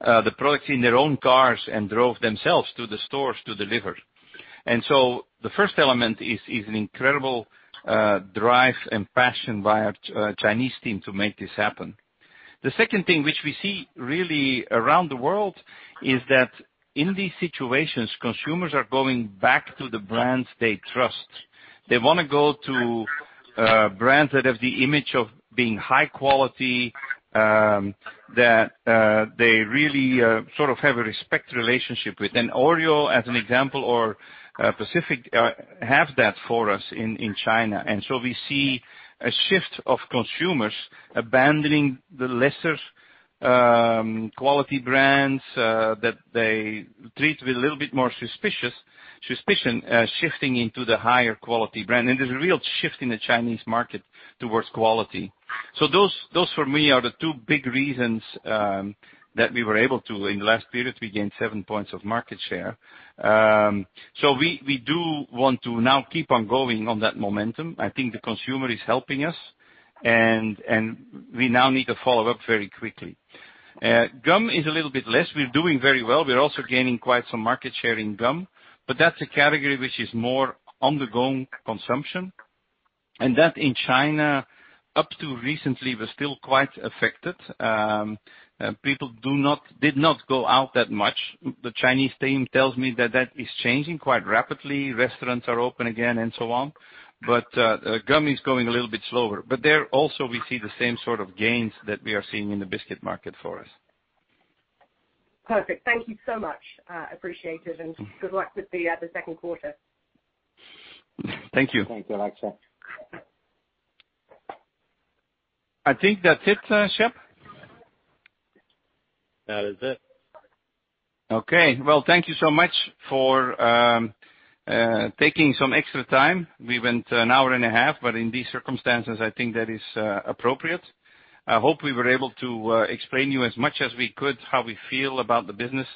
the products in their own cars and drove themselves to the stores to deliver. The first element is an incredible drive and passion by our Chinese team to make this happen. The second thing, which we see really around the world, is that in these situations, consumers are going back to the brands they trust. They wanna go to brands that have the image of being high quality, that they really sort of have a respect relationship with. Oreo, as an example, or Pacific, have that for us in China. We see a shift of consumers abandoning the lesser quality brands that they treat with a little bit more suspicion, shifting into the higher quality brand. There's a real shift in the Chinese market towards quality. Those for me are the two big reasons that we were able to, in the last period, we gained seven points of market share. We do want to now keep on going on that momentum. I think the consumer is helping us, and we now need to follow up very quickly. Gum is a little bit less. We're doing very well. We're also gaining quite some market share in gum, but that's a category which is more on-the-go consumption. That, in China, up to recently, was still quite affected. People did not go out that much. The Chinese team tells me that that is changing quite rapidly. Restaurants are open again and so on. Gum is going a little slower. There also we see the same sort of gains that we are seeing in the biscuit market for us. Perfect. Thank you so much. Appreciate it, and good luck with the second quarter. Thank you. Thank you, Alexia. I think that's it, Shep. That is it. Okay. Well, thank you so much for taking some extra time. We went an hour and a half, but in these circumstances, I think that is appropriate. I hope we were able to explain you as much as we could, how we feel about the business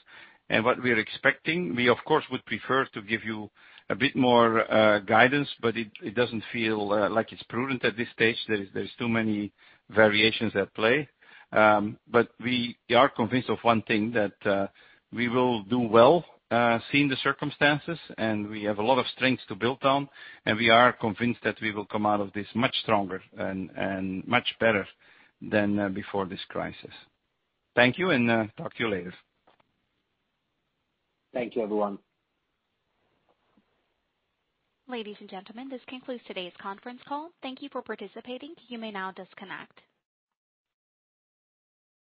and what we are expecting. We, of course, would prefer to give you a bit more guidance, but it doesn't feel like it's prudent at this stage. There's too many variations at play. We are convinced of one thing, that we will do well, seeing the circumstances, and we have a lot of strengths to build on, and we are convinced that we will come out of this much stronger and much better than before this crisis. Thank you, and talk to you later. Thank you, everyone. Ladies and gentlemen, this concludes today's conference call. Thank you for participating. You may now disconnect.